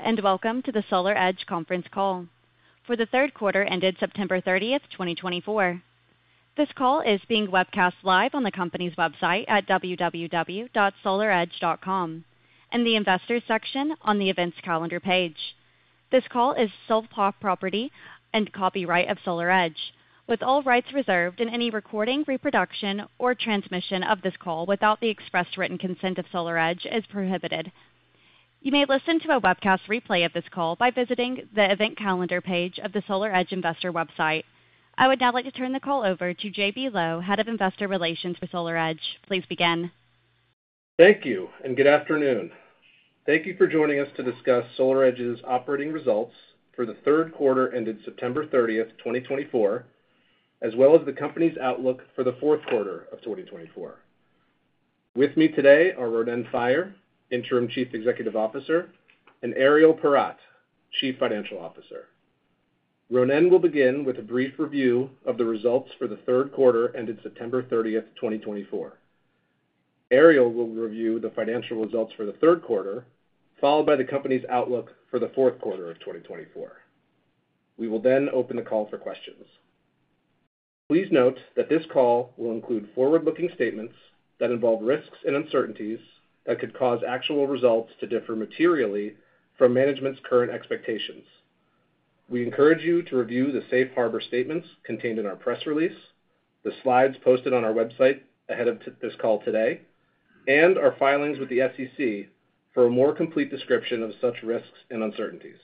Hello, and welcome to the SolarEdge Conference Call for the third quarter ended September 30th, 2024. This call is being webcast live on the company's website at www.solaredge.com and the investors' section on the events calendar page. This call is the sole property and copyright of SolarEdge, with all rights reserved. Any recording, reproduction, or transmission of this call without the express written consent of SolarEdge is prohibited. You may listen to a webcast replay of this call by visiting the event calendar page of the SolarEdge investor website. I would now like to turn the call over to J.B. Lowe, Head of Investor Relations for SolarEdge. Please begin. Thank you, and good afternoon. Thank you for joining us to discuss SolarEdge's operating results for the third quarter ended September 30th, 2024, as well as the company's outlook for the fourth quarter of 2024. With me today are Ronen Faier, Interim Chief Executive Officer, and Ariel Porat, Chief Financial Officer. Ronen will begin with a brief review of the results for the third quarter ended September 30th, 2024. Ariel will review the financial results for the third quarter, followed by the company's outlook for the fourth quarter of 2024. We will then open the call for questions. Please note that this call will include forward-looking statements that involve risks and uncertainties that could cause actual results to differ materially from management's current expectations. We encourage you to review the safe harbor statements contained in our press release, the slides posted on our website ahead of this call today, and our filings with the SEC for a more complete description of such risks and uncertainties.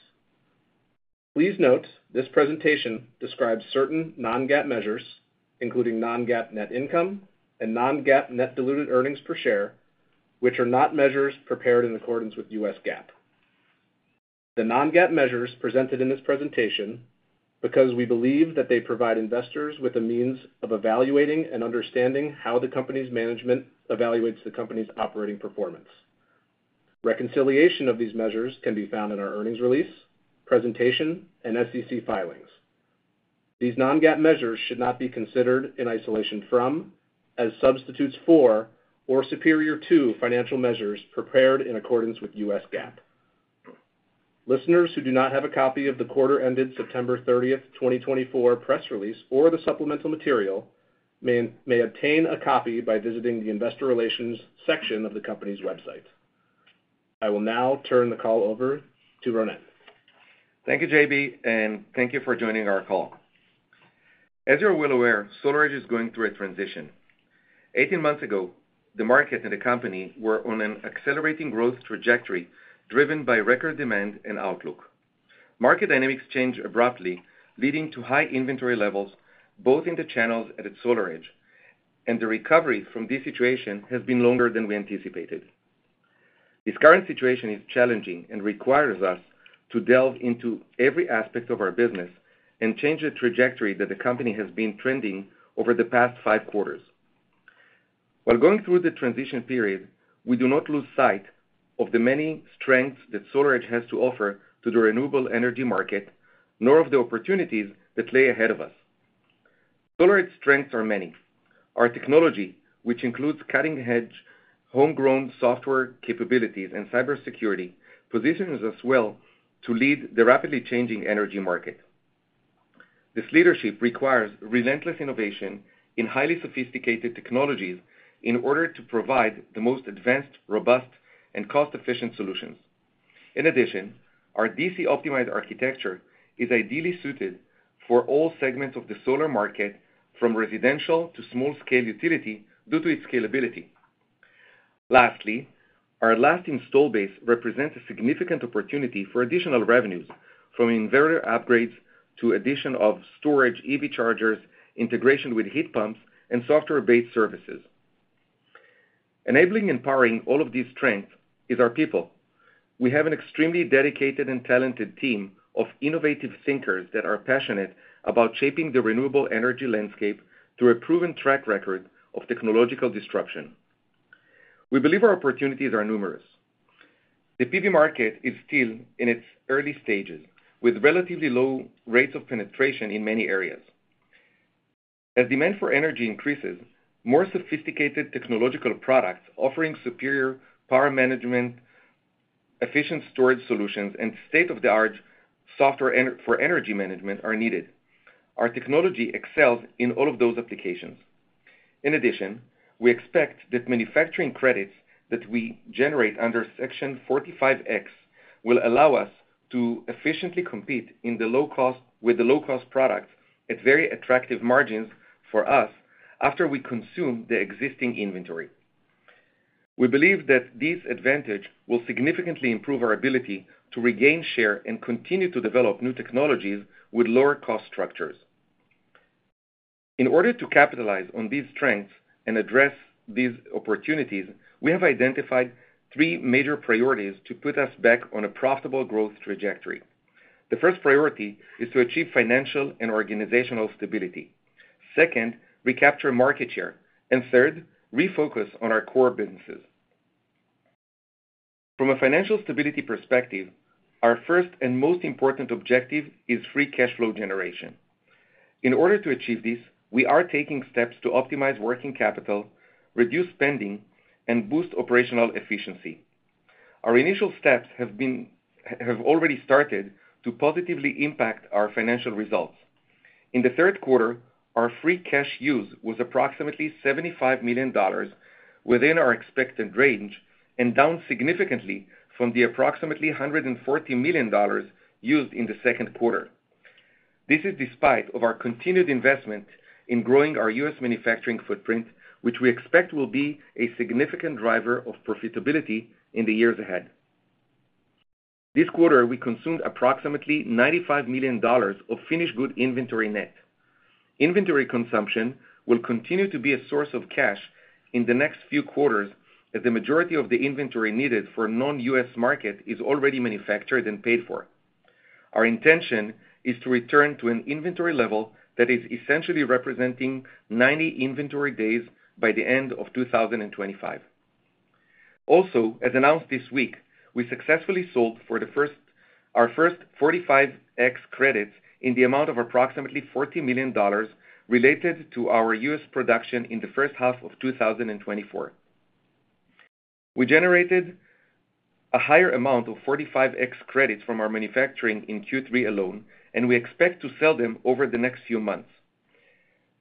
Please note this presentation describes certain non-GAAP measures, including non-GAAP net income and non-GAAP net diluted earnings per share, which are not measures prepared in accordance with U.S. GAAP. The non-GAAP measures presented in this presentation are because we believe that they provide investors with a means of evaluating and understanding how the company's management evaluates the company's operating performance. Reconciliation of these measures can be found in our earnings release, presentation, and SEC filings. These non-GAAP measures should not be considered in isolation from, as substitutes for, or superior to financial measures prepared in accordance with U.S. GAAP. Listeners who do not have a copy of the quarter-ended September 30th, 2024, press release or the supplemental material may obtain a copy by visiting the investor relations section of the company's website. I will now turn the call over to Ronen. Thank you, J.B., and thank you for joining our call. As you're well aware, SolarEdge is going through a transition. Eighteen months ago, the market and the company were on an accelerating growth trajectory driven by record demand and outlook. Market dynamics changed abruptly, leading to high inventory levels both in the channels at SolarEdge, and the recovery from this situation has been longer than we anticipated. This current situation is challenging and requires us to delve into every aspect of our business and change the trajectory that the company has been trending over the past five quarters. While going through the transition period, we do not lose sight of the many strengths that SolarEdge has to offer to the renewable energy market, nor of the opportunities that lay ahead of us. SolarEdge's strengths are many. Our technology, which includes cutting-edge homegrown software capabilities and cybersecurity, positions us well to lead the rapidly changing energy market. This leadership requires relentless innovation in highly sophisticated technologies in order to provide the most advanced, robust, and cost-efficient solutions. In addition, our DC optimized architecture is ideally suited for all segments of the solar market, from residential to small-scale utility, due to its scalability. Lastly, our vast installed base represents a significant opportunity for additional revenues, from inverter upgrades to the addition of storage, EV chargers, integration with heat pumps, and software-based services. Enabling and powering all of these strengths is our people. We have an extremely dedicated and talented team of innovative thinkers that are passionate about shaping the renewable energy landscape through a proven track record of technological disruption. We believe our opportunities are numerous. The PV market is still in its early stages, with relatively low rates of penetration in many areas. As demand for energy increases, more sophisticated technological products offering superior power management, efficient storage solutions, and state-of-the-art software for energy management are needed. Our technology excels in all of those applications. In addition, we expect that manufacturing credits that we generate under Section 45X will allow us to efficiently compete with the low-cost products at very attractive margins for us after we consume the existing inventory. We believe that this advantage will significantly improve our ability to regain share and continue to develop new technologies with lower cost structures. In order to capitalize on these strengths and address these opportunities, we have identified three major priorities to put us back on a profitable growth trajectory. The first priority is to achieve financial and organizational stability. Second, recapture market share. And third, refocus on our core businesses. From a financial stability perspective, our first and most important objective is free cash flow generation. In order to achieve this, we are taking steps to optimize working capital, reduce spending, and boost operational efficiency. Our initial steps have already started to positively impact our financial results. In the third quarter, our free cash use was approximately $75 million within our expected range and down significantly from the approximately $140 million used in the second quarter. This is despite our continued investment in growing our U.S. manufacturing footprint, which we expect will be a significant driver of profitability in the years ahead. This quarter, we consumed approximately $95 million of finished goods inventory net. Inventory consumption will continue to be a source of cash in the next few quarters as the majority of the inventory needed for the non-U.S. market is already manufactured and paid for. Our intention is to return to an inventory level that is essentially representing 90 inventory days by the end of 2025. Also, as announced this week, we successfully sold our first 45X credits in the amount of approximately $40 million related to our U.S. production in the first half of 2024. We generated a higher amount of 45X credits from our manufacturing in Q3 alone, and we expect to sell them over the next few months.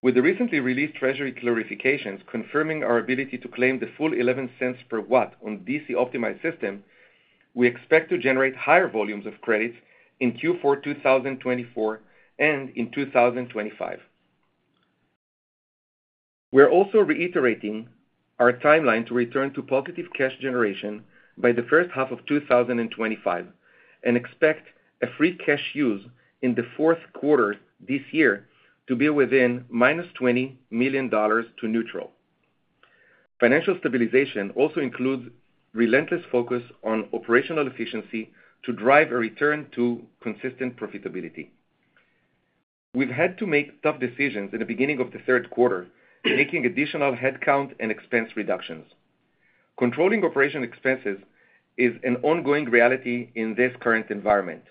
With the recently released Treasury clarifications confirming our ability to claim the full 11 cents per watt on the DC-Optimized system, we expect to generate higher volumes of credits in Q4 2024 and in 2025. We are also reiterating our timeline to return to positive cash generation by the first half of 2025 and expect a free cash use in the fourth quarter this year to be within -$20 million to neutral. Financial stabilization also includes a relentless focus on operational efficiency to drive a return to consistent profitability. We've had to make tough decisions in the beginning of the third quarter, making additional headcount and expense reductions. Controlling operational expenses is an ongoing reality in this current environment.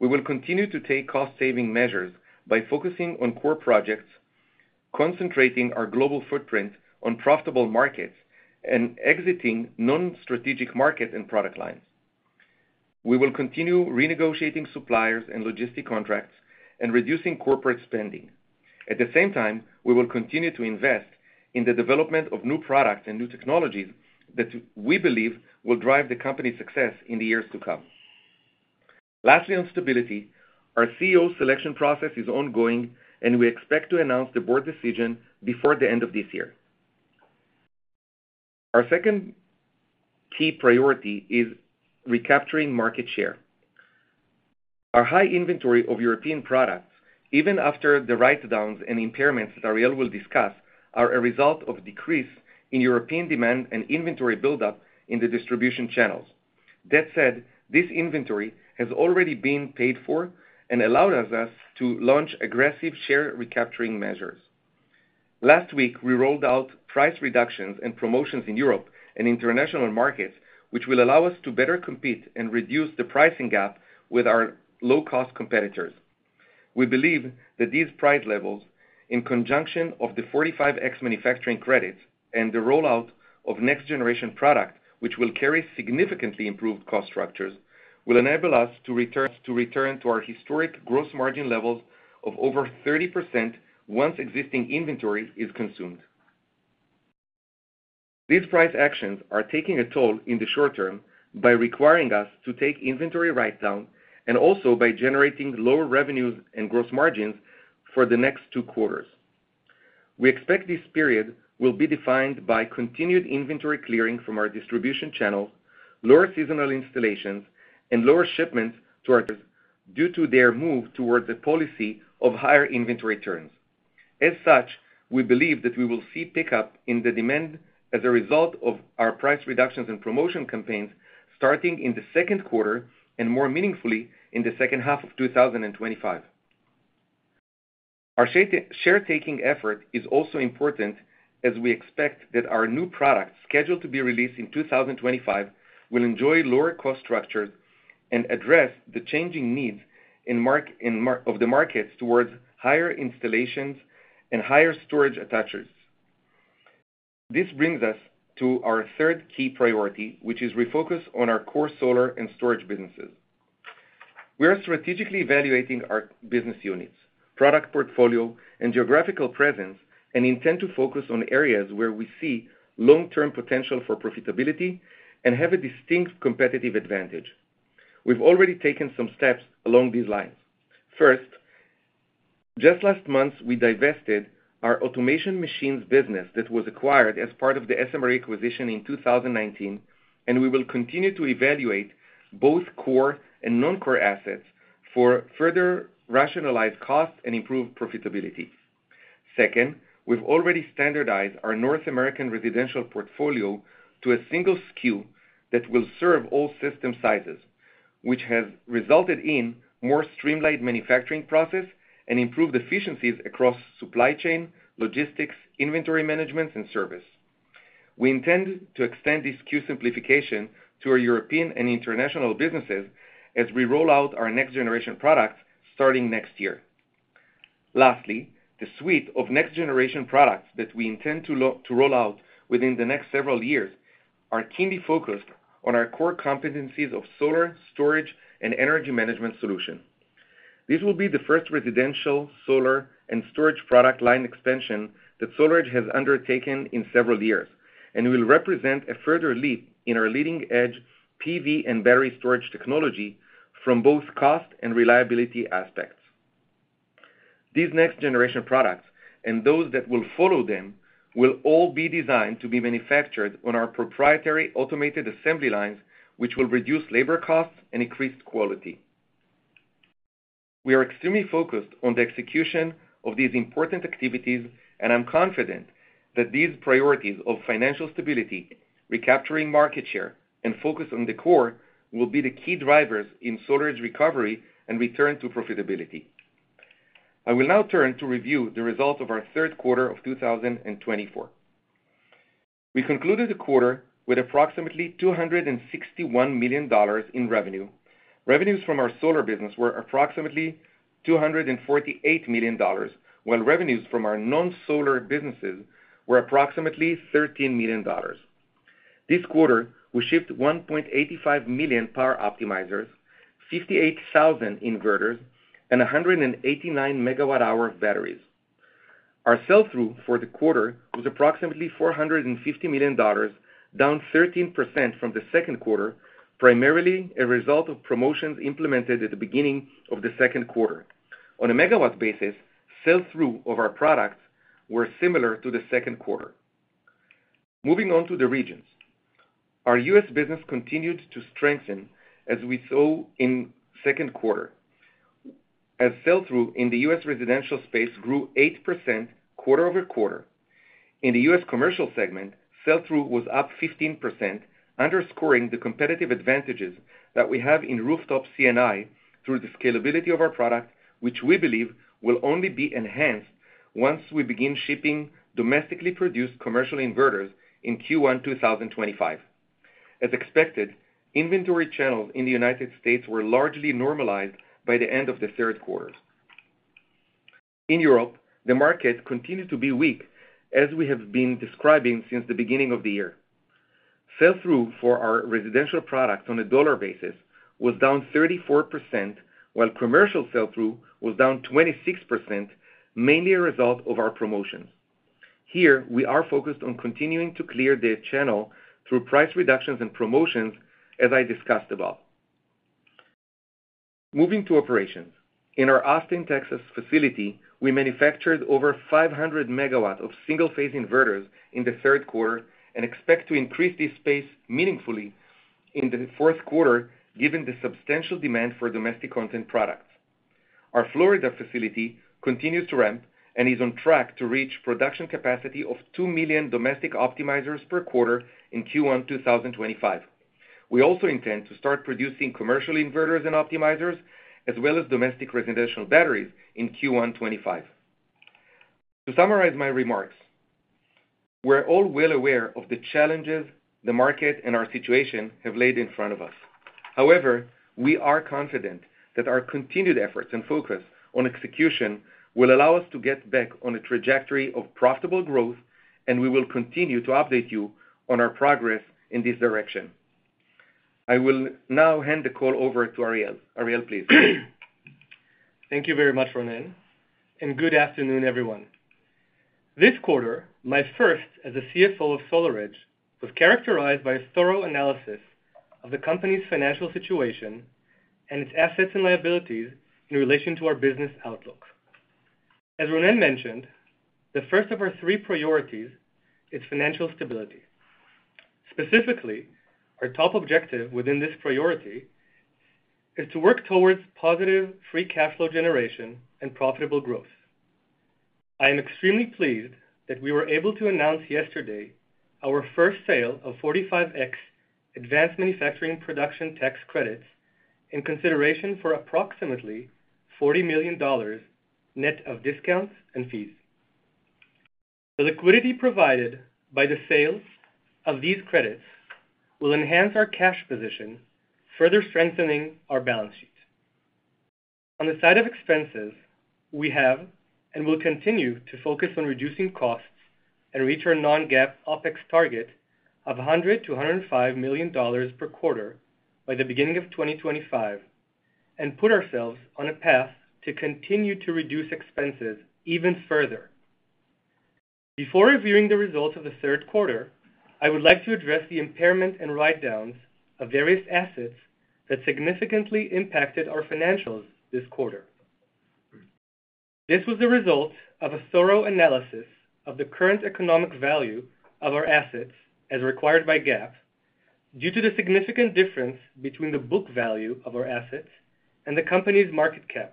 We will continue to take cost-saving measures by focusing on core projects, concentrating our global footprint on profitable markets, and exiting non-strategic markets and product lines. We will continue renegotiating suppliers and logistics contracts and reducing corporate spending. At the same time, we will continue to invest in the development of new products and new technologies that we believe will drive the company's success in the years to come. Lastly, on stability, our CEO selection process is ongoing, and we expect to announce the board decision before the end of this year. Our second key priority is recapturing market share. Our high inventory of European products, even after the write-downs and impairments that Ariel will discuss, are a result of a decrease in European demand and inventory buildup in the distribution channels. That said, this inventory has already been paid for and allowed us to launch aggressive share recapturing measures. Last week, we rolled out price reductions and promotions in Europe and international markets, which will allow us to better compete and reduce the pricing gap with our low-cost competitors. We believe that these price levels, in conjunction with the 45X manufacturing credits and the rollout of next-generation products, which will carry significantly improved cost structures, will enable us to return to our historic gross margin levels of over 30% once existing inventory is consumed. These price actions are taking a toll in the short term by requiring us to take inventory write-down and also by generating lower revenues and gross margins for the next two quarters. We expect this period will be defined by continued inventory clearing from our distribution channels, lower seasonal installations, and lower shipments to our partners due to their move towards a policy of higher inventory turns. As such, we believe that we will see a pickup in the demand as a result of our price reductions and promotion campaigns starting in the second quarter and more meaningfully in the second half of 2025. Our share-taking effort is also important as we expect that our new products, scheduled to be released in 2025, will enjoy lower cost structures and address the changing needs of the markets towards higher installations and higher storage attach rates. This brings us to our third key priority, which is a refocus on our core solar and storage businesses. We are strategically evaluating our business units, product portfolio, and geographical presence and intend to focus on areas where we see long-term potential for profitability and have a distinct competitive advantage. We've already taken some steps along these lines. First, just last month, we divested our automation machines business that was acquired as part of the SMRE acquisition in 2019, and we will continue to evaluate both core and non-core assets for further rationalized costs and improved profitability. Second, we've already standardized our North American Residential Portfolio to a single SKU that will serve all system sizes, which has resulted in a more streamlined manufacturing process and improved efficiencies across supply chain, logistics, inventory management, and service. We intend to extend this SKU simplification to our European and international businesses as we roll out our next-generation products starting next year. Lastly, the suite of next-generation products that we intend to roll out within the next several years are keenly focused on our core competencies of solar storage and energy management solution. This will be the first residential solar and storage product line expansion that SolarEdge has undertaken in several years and will represent a further leap in our leading-edge PV and battery storage technology from both cost and reliability aspects. These next-generation products and those that will follow them will all be designed to be manufactured on our proprietary automated assembly lines, which will reduce labor costs and increase quality. We are extremely focused on the execution of these important activities, and I'm confident that these priorities of financial stability, recapturing market share, and focus on the core will be the key drivers in SolarEdge's recovery and return to profitability. I will now turn to review the results of our third quarter of 2024. We concluded the quarter with approximately $261 million in revenue. Revenues from our solar business were approximately $248 million, while revenues from our non-solar businesses were approximately $13 million. This quarter, we shipped 1.85 million power optimizers, 58,000 inverters, and 189 megawatt-hour batteries. Our sell-through for the quarter was approximately $450 million, down 13% from the second quarter, primarily a result of promotions implemented at the beginning of the second quarter. On a megawatt basis, sell-through of our products was similar to the second quarter. Moving on to the regions, our U.S. business continued to strengthen as we saw in the second quarter, as sell-through in the U.S. residential space grew 8% quarter over quarter. In the U.S. commercial segment, sell-through was up 15%, underscoring the competitive advantages that we have in rooftop CNI through the scalability of our product, which we believe will only be enhanced once we begin shipping domestically produced commercial inverters in Q1 2025. As expected, inventory channels in the United States were largely normalized by the end of the third quarter. In Europe, the market continued to be weak, as we have been describing since the beginning of the year. Sell-through for our residential products on a dollar basis was down 34%, while commercial sell-through was down 26%, mainly a result of our promotions. Here, we are focused on continuing to clear the channel through price reductions and promotions, as I discussed above. Moving to operations, in our Austin, Texas facility, we manufactured over 500 megawatts of single-phase inverters in the third quarter and expect to increase this space meaningfully in the fourth quarter, given the substantial demand for domestic content products. Our Florida facility continues to ramp and is on track to reach a production capacity of 2 million domestic optimizers per quarter in Q1 2025. We also intend to start producing commercial inverters and optimizers, as well as domestic residential batteries in Q1 2025. To summarize my remarks, we're all well aware of the challenges the market and our situation have laid in front of us. However, we are confident that our continued efforts and focus on execution will allow us to get back on a trajectory of profitable growth, and we will continue to update you on our progress in this direction. I will now hand the call over to Ariel. Ariel, please. Thank you very much, Ronen, and good afternoon, everyone. This quarter, my first as a CFO of SolarEdge, was characterized by a thorough analysis of the company's financial situation and its assets and liabilities in relation to our business outlook. As Ronen mentioned, the first of our three priorities is financial stability. Specifically, our top objective within this priority is to work towards positive free cash flow generation and profitable growth. I am extremely pleased that we were able to announce yesterday our first sale of 45X Advanced Manufacturing Production Tax Credits in consideration for approximately $40 million net of discounts and fees. The liquidity provided by the sales of these credits will enhance our cash position, further strengthening our balance sheet. On the side of expenses, we have and will continue to focus on reducing costs and reach our Non-GAAP OpEx target of $100-$105 million per quarter by the beginning of 2025 and put ourselves on a path to continue to reduce expenses even further. Before reviewing the results of the third quarter, I would like to address the impairments and write-downs of various assets that significantly impacted our financials this quarter. This was the result of a thorough analysis of the current economic value of our assets, as required by GAAP, due to the significant difference between the book value of our assets and the company's market cap,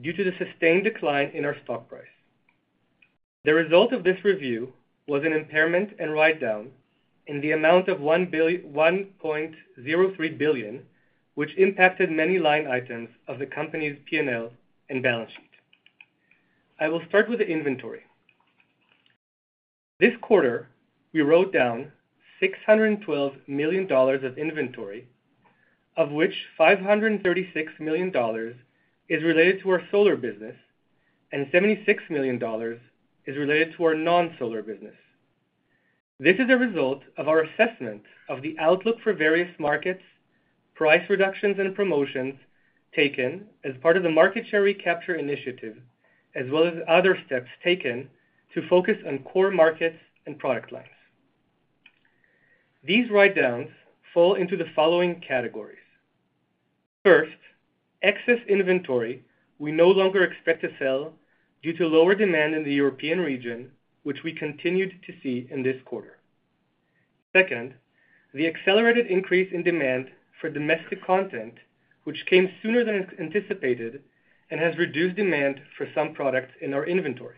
due to the sustained decline in our stock price. The result of this review was an impairment and write-down in the amount of $1.03 billion, which impacted many line items of the company's P&L and balance sheet. I will start with the inventory. This quarter, we wrote down $612 million of inventory, of which $536 million is related to our solar business and $76 million is related to our non-solar business. This is a result of our assessment of the outlook for various markets, price reductions, and promotions taken as part of the market share recapture initiative, as well as other steps taken to focus on core markets and product lines. These write-downs fall into the following categories. First, excess inventory we no longer expect to sell due to lower demand in the European region, which we continued to see in this quarter. Second, the accelerated increase in demand for domestic content, which came sooner than anticipated and has reduced demand for some products in our inventory.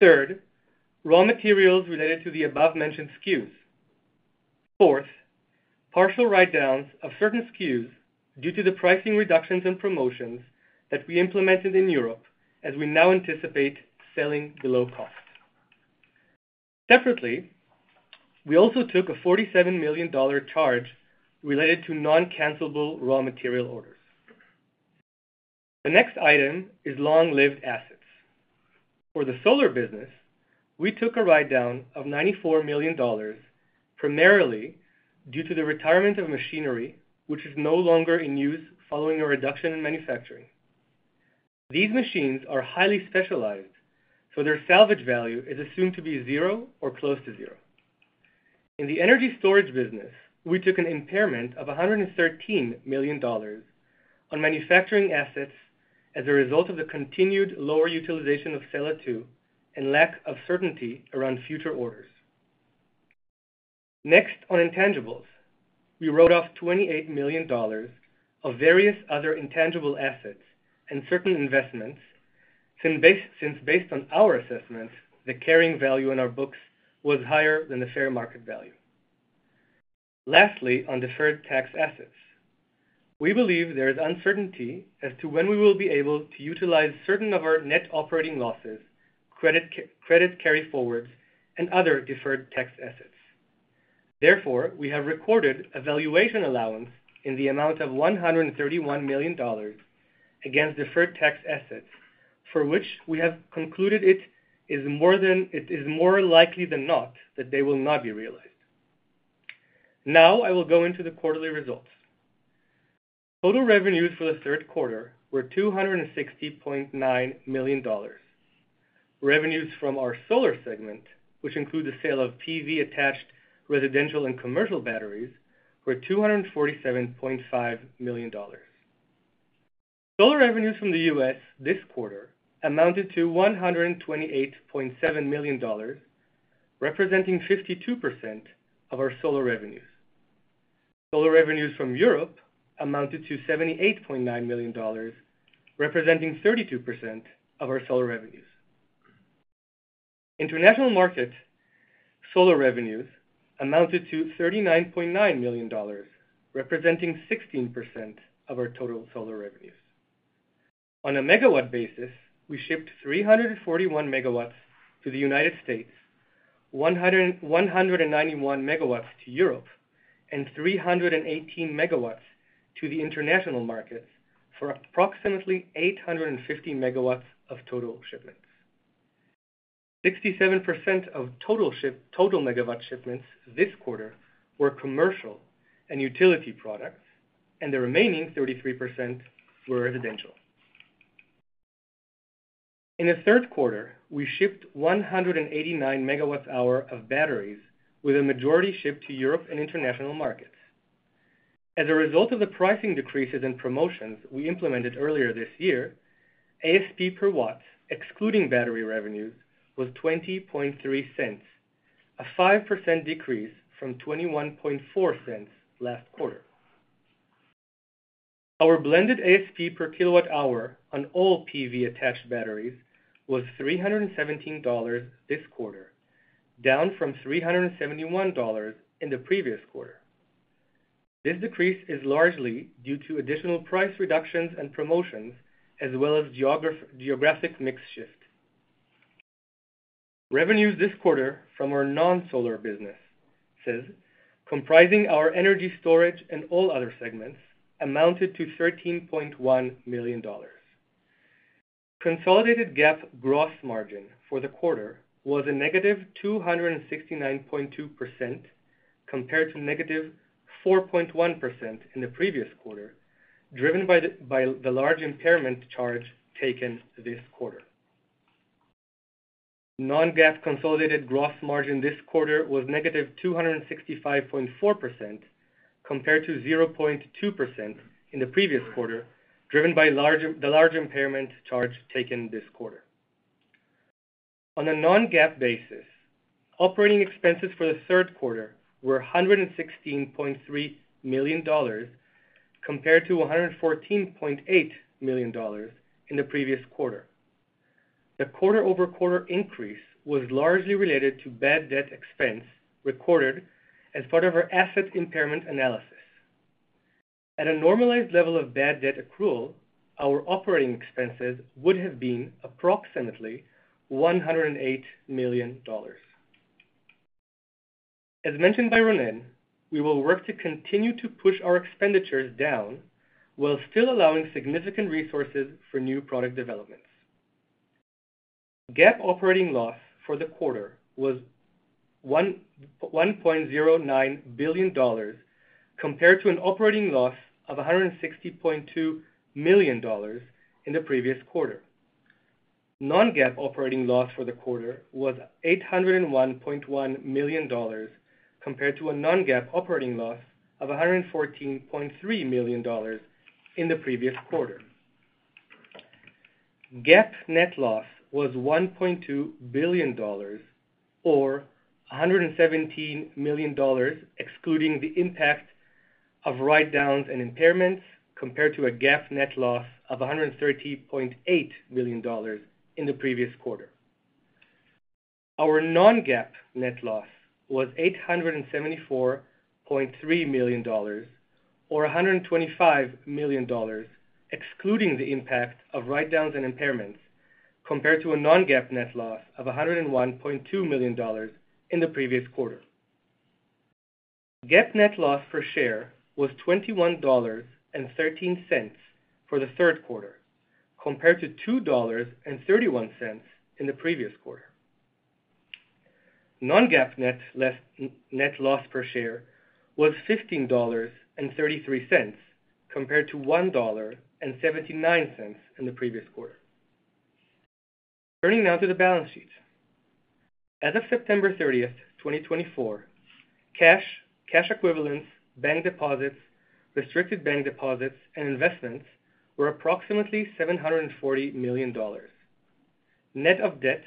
Third, raw materials related to the above-mentioned SKUs. Fourth, partial write-downs of certain SKUs due to the pricing reductions and promotions that we implemented in Europe, as we now anticipate selling below cost. Separately, we also took a $47 million charge related to non-cancelable raw material orders. The next item is long-lived assets. For the solar business, we took a write-down of $94 million, primarily due to the retirement of machinery, which is no longer in use following a reduction in manufacturing. These machines are highly specialized, so their salvage value is assumed to be zero or close to zero. In the energy storage business, we took an impairment of $113 million on manufacturing assets as a result of the continued lower utilization of Sella 2 and lack of certainty around future orders. Next, on intangibles, we wrote off $28 million of various other intangible assets and certain investments, since based on our assessment, the carrying value in our books was higher than the fair market value. Lastly, on deferred tax assets, we believe there is uncertainty as to when we will be able to utilize certain of our net operating losses, credit carry forwards, and other deferred tax assets. Therefore, we have recorded a valuation allowance in the amount of $131 million against deferred tax assets, for which we have concluded it is more likely than not that they will not be realized. Now, I will go into the quarterly results. Total revenues for the third quarter were $260.9 million. Revenues from our solar segment, which include the sale of PV-attached residential and commercial batteries, were $247.5 million. Solar revenues from the US this quarter amounted to $128.7 million, representing 52% of our solar revenues. Solar revenues from Europe amounted to $78.9 million, representing 32% of our solar revenues. International market solar revenues amounted to $39.9 million, representing 16% of our total solar revenues. On a megawatt basis, we shipped 341 megawatts to the United States, 191 megawatts to Europe, and 318 megawatts to the international markets for approximately 850 megawatts of total shipments. 67% of total megawatt shipments this quarter were commercial and utility products, and the remaining 33% were residential. In the third quarter, we shipped 189 megawatt-hours of batteries, with a majority shipped to Europe and international markets. As a result of the pricing decreases and promotions we implemented earlier this year, ASP per watt, excluding battery revenues, was $0.203, a 5% decrease from $0.214 last quarter. Our blended ASP per kilowatt-hour on all PV-attached batteries was $317 this quarter, down from $371 in the previous quarter. This decrease is largely due to additional price reductions and promotions, as well as geographic mix shifts. Revenues this quarter from our non-solar business, comprising our energy storage and all other segments, amounted to $13.1 million. Consolidated GAAP gross margin for the quarter was a negative 269.2% compared to negative 4.1% in the previous quarter, driven by the large impairment charge taken this quarter. Non-GAAP consolidated gross margin this quarter was negative 265.4% compared to 0.2% in the previous quarter, driven by the large impairment charge taken this quarter. On a non-GAAP basis, operating expenses for the third quarter were $116.3 million compared to $114.8 million in the previous quarter. The quarter-over-quarter increase was largely related to bad debt expense recorded as part of our asset impairment analysis. At a normalized level of bad debt accrual, our operating expenses would have been approximately $108 million. As mentioned by Ronen, we will work to continue to push our expenditures down while still allowing significant resources for new product developments. GAAP operating loss for the quarter was $1.09 billion compared to an operating loss of $160.2 million in the previous quarter. Non-GAAP operating loss for the quarter was $801.1 million compared to a non-GAAP operating loss of $114.3 million in the previous quarter. GAAP net loss was $1.2 billion, or $117 million, excluding the impact of write-downs and impairments, compared to a GAAP net loss of $130.8 million in the previous quarter. Our non-GAAP net loss was $874.3 million, or $125 million, excluding the impact of write-downs and impairments, compared to a non-GAAP net loss of $101.2 million in the previous quarter. GAAP net loss per share was $21.13 for the third quarter, compared to $2.31 in the previous quarter. Non-GAAP net loss per share was $15.33, compared to $1.79 in the previous quarter. Turning now to the balance sheet. As of September 30, 2024, cash, cash equivalents, bank deposits, restricted bank deposits, and investments were approximately $740 million. Net of debt,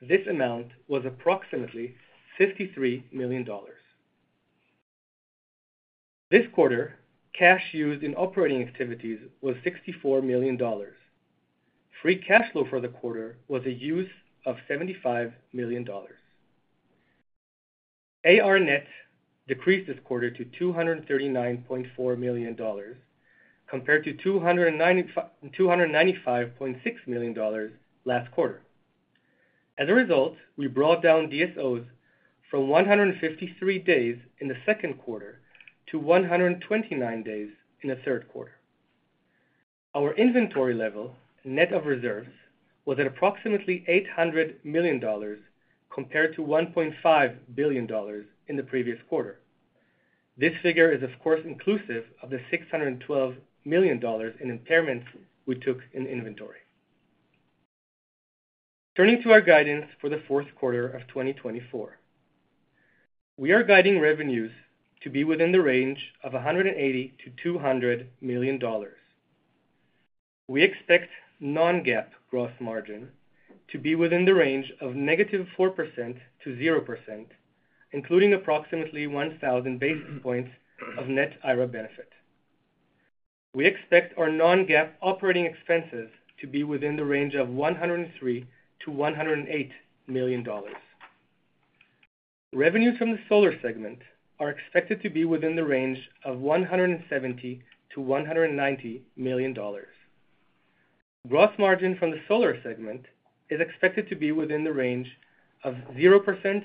this amount was approximately $53 million. This quarter, cash used in operating activities was $64 million. Free cash flow for the quarter was a use of $75 million. AR, net decreased this quarter to $239.4 million, compared to $295.6 million last quarter. As a result, we brought down DSOs from 153 days in the second quarter to 129 days in the third quarter. Our inventory level, net of reserves, was at approximately $800 million, compared to $1.5 billion in the previous quarter. This figure is, of course, inclusive of the $612 million in impairments we took in inventory. Turning to our guidance for the fourth quarter of 2024, we are guiding revenues to be within the range of $180-$200 million. We expect non-GAAP gross margin to be within the range of negative 4%-0%, including approximately 1,000 basis points of net IRA benefit. We expect our non-GAAP operating expenses to be within the range of $103-$108 million. Revenues from the solar segment are expected to be within the range of $170-$190 million. Gross margin from the solar segment is expected to be within the range of 0%-3%,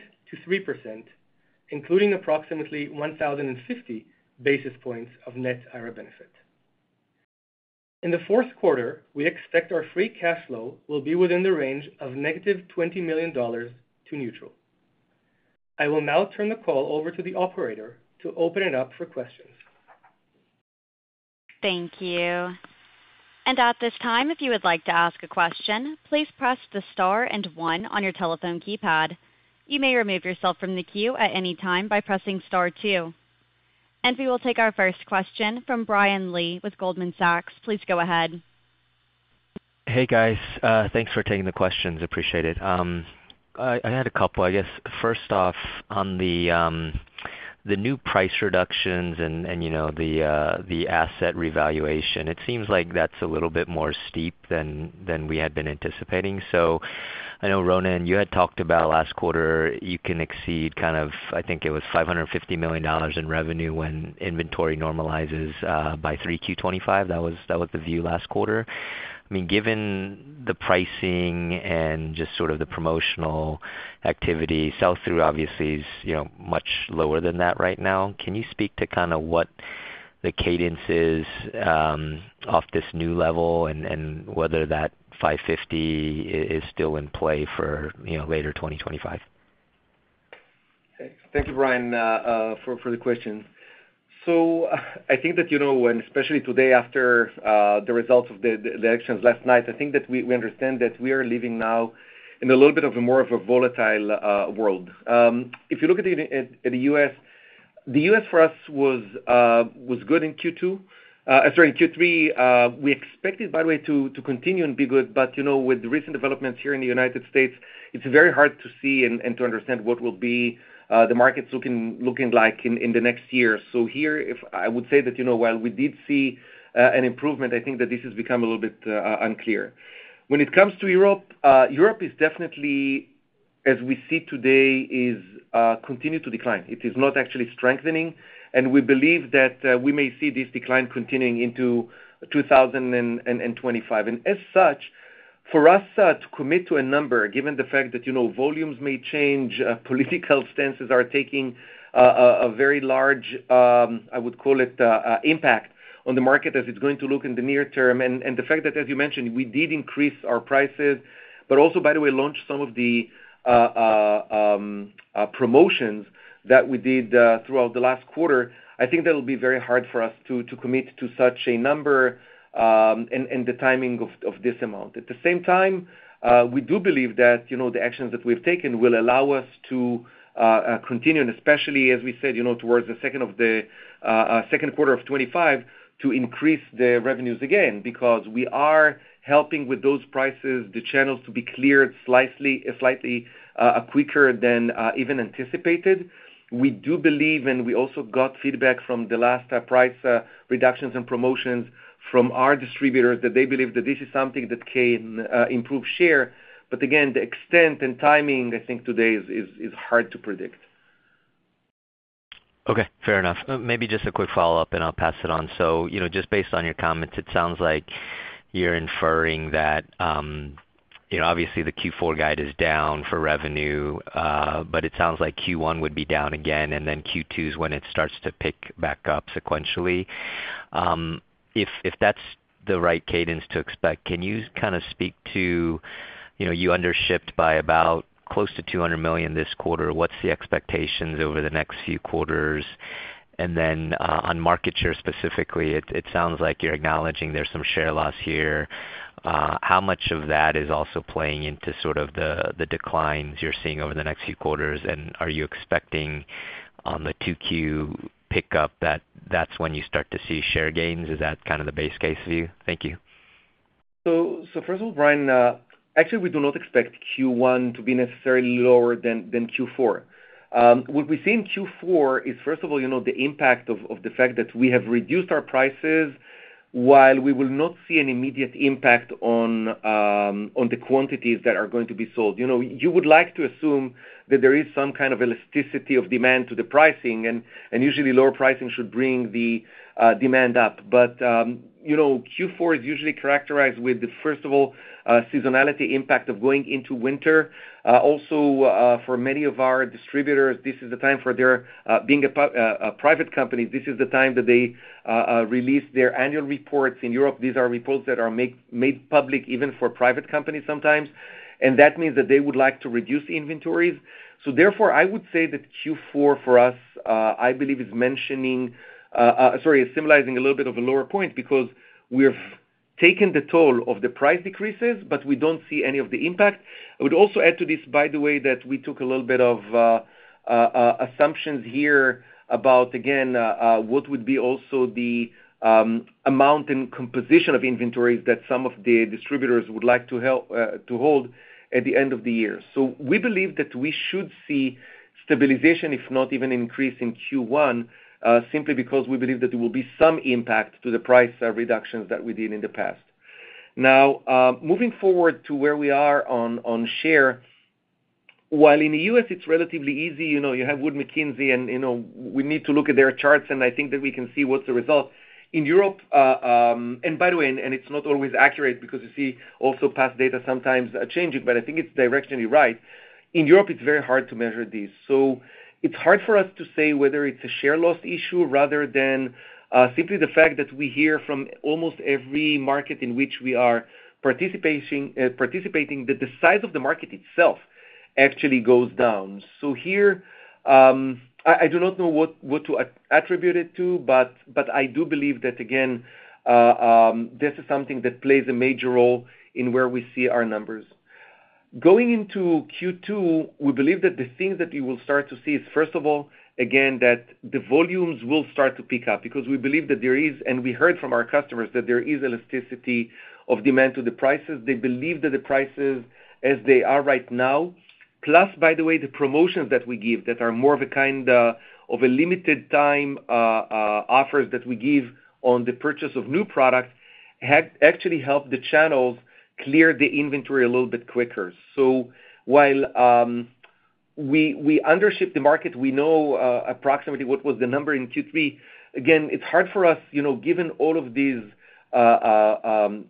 including approximately 1,050 basis points of net IRA benefit. In the fourth quarter, we expect our free cash flow will be within the range of negative $20 million to neutral. I will now turn the call over to the operator to open it up for questions. Thank you. And at this time, if you would like to ask a question, please press the star and one on your telephone keypad. You may remove yourself from the queue at any time by pressing star two. And we will take our first question from Brian Lee with Goldman Sachs. Please go ahead. Hey, guys. Thanks for taking the questions. Appreciate it. I had a couple, I guess. First off, on the new price reductions and the asset revaluation, it seems like that's a little bit more steep than we had been anticipating. So I know, Ronen, you had talked about last quarter you can exceed kind of, I think it was $550 million in revenue when inventory normalizes by 3Q25. That was the view last quarter. I mean, given the pricing and just sort of the promotional activity, sell-through obviously is much lower than that right now. Can you speak to kind of what the cadence is off this new level and whether that 550 is still in play for later 2025? Thank you, Brian, for the questions. So I think that when especially today after the results of the elections last night, I think that we understand that we are living now in a little bit of a more of a volatile world. If you look at the U.S., the U.S. for us was good in Q2. Sorry, in Q3, we expected, by the way, to continue and be good. But with the recent developments here in the United States, it's very hard to see and to understand what will be the markets looking like in the next year. So here, I would say that while we did see an improvement, I think that this has become a little bit unclear. When it comes to Europe, Europe is definitely, as we see today, is continuing to decline. It is not actually strengthening. And we believe that we may see this decline continuing into 2025. And as such, for us to commit to a number, given the fact that volumes may change, political stances are taking a very large, I would call it, impact on the market as it's going to look in the near term. And the fact that, as you mentioned, we did increase our prices, but also, by the way, launched some of the promotions that we did throughout the last quarter, I think that will be very hard for us to commit to such a number and the timing of this amount. At the same time, we do believe that the actions that we've taken will allow us to continue, and especially, as we said, towards the second quarter of 2025, to increase the revenues again because we are helping with those prices, the channels to be cleared slightly quicker than even anticipated. We do believe, and we also got feedback from the last price reductions and promotions from our distributors that they believe that this is something that can improve share. But again, the extent and timing, I think today is hard to predict. Okay. Fair enough. Maybe just a quick follow-up, and I'll pass it on. So just based on your comments, it sounds like you're inferring that obviously the Q4 guide is down for revenue, but it sounds like Q1 would be down again, and then Q2 is when it starts to pick back up sequentially. If that's the right cadence to expect, can you kind of speak to you under shipped by about close to $200 million this quarter? What's the expectations over the next few quarters? And then on market share specifically, it sounds like you're acknowledging there's some share loss here. How much of that is also playing into sort of the declines you're seeing over the next few quarters? And are you expecting on the 2Q pickup that that's when you start to see share gains? Is that kind of the base case view? Thank you. So first of all, Brian, actually, we do not expect Q1 to be necessarily lower than Q4. What we see in Q4 is, first of all, the impact of the fact that we have reduced our prices while we will not see an immediate impact on the quantities that are going to be sold. You would like to assume that there is some kind of elasticity of demand to the pricing, and usually lower pricing should bring the demand up. But Q4 is usually characterized with, first of all, seasonality impact of going into winter. Also, for many of our distributors, this is the time for their being a private company, this is the time that they release their annual reports. In Europe, these are reports that are made public even for private companies sometimes. And that means that they would like to reduce inventories. So therefore, I would say that Q4 for us, I believe, is symbolizing a little bit of a lower point because we have taken the toll of the price decreases, but we don't see any of the impact. I would also add to this, by the way, that we took a little bit of assumptions here about, again, what would be also the amount and composition of inventories that some of the distributors would like to hold at the end of the year. So we believe that we should see stabilization, if not even increase in Q1, simply because we believe that there will be some impact to the price reductions that we did in the past. Now, moving forward to where we are on share, while in the U.S., it's relatively easy. You have Wood Mackenzie, and we need to look at their charts, and I think that we can see what's the result. In Europe, and by the way, and it's not always accurate because you see also past data sometimes changing, but I think it's directionally right. In Europe, it's very hard to measure this. So, it's hard for us to say whether it's a share loss issue rather than simply the fact that we hear from almost every market in which we are participating that the size of the market itself actually goes down. So here, I do not know what to attribute it to, but I do believe that, again, this is something that plays a major role in where we see our numbers. Going into Q2, we believe that the things that you will start to see is, first of all, again, that the volumes will start to pick up because we believe that there is, and we heard from our customers, that there is elasticity of demand to the prices. They believe that the prices, as they are right now, plus, by the way, the promotions that we give that are more of a kind of a limited-time offers that we give on the purchase of new products had actually helped the channels clear the inventory a little bit quicker. So while we undershipped the market, we know approximately what was the number in Q3. Again, it's hard for us, given all of these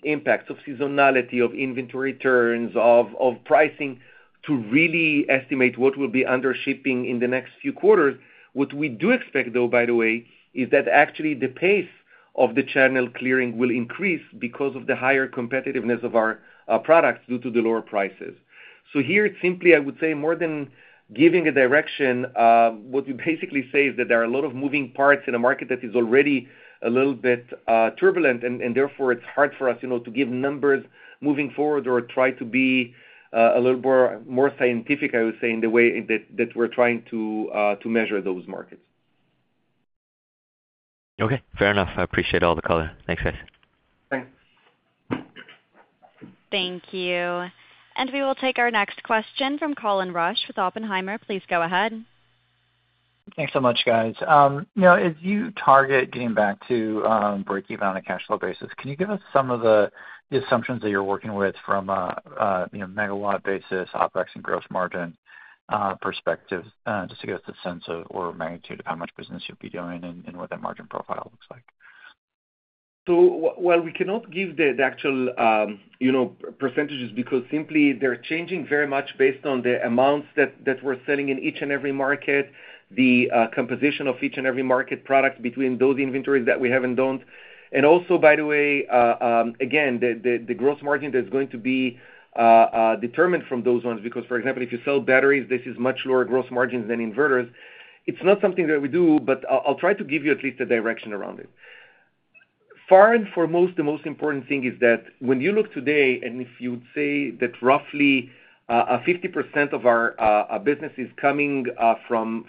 impacts of seasonality, of inventory turns, of pricing, to really estimate what will be undershipping in the next few quarters. What we do expect, though, by the way, is that actually the pace of the channel clearing will increase because of the higher competitiveness of our products due to the lower prices. So here, simply, I would say more than giving a direction, what we basically say is that there are a lot of moving parts in a market that is already a little bit turbulent, and therefore, it's hard for us to give numbers moving forward or try to be a little more scientific, I would say, in the way that we're trying to measure those markets. Okay. Fair enough. I appreciate all the color. Thanks, guys. Thanks. Thank you. And we will take our next question from Colin Rusch with Oppenheimer. Please go ahead. Thanks so much, guys. Now, as you target getting back to break-even on a cash flow basis, can you give us some of the assumptions that you're working with from a megawatt basis, OpEx, and gross margin perspective just to get us a sense of or a magnitude of how much business you'll be doing and what that margin profile looks like? While we cannot give the actual percentages because simply they're changing very much based on the amounts that we're selling in each and every market, the composition of each and every market product between those inventories that we have and don't. And also, by the way, again, the gross margin that's going to be determined from those ones because, for example, if you sell batteries, this is much lower gross margins than inverters. It's not something that we do, but I'll try to give you at least a direction around it. First and foremost, the most important thing is that when you look today, and if you would say that roughly 50% of our business is coming from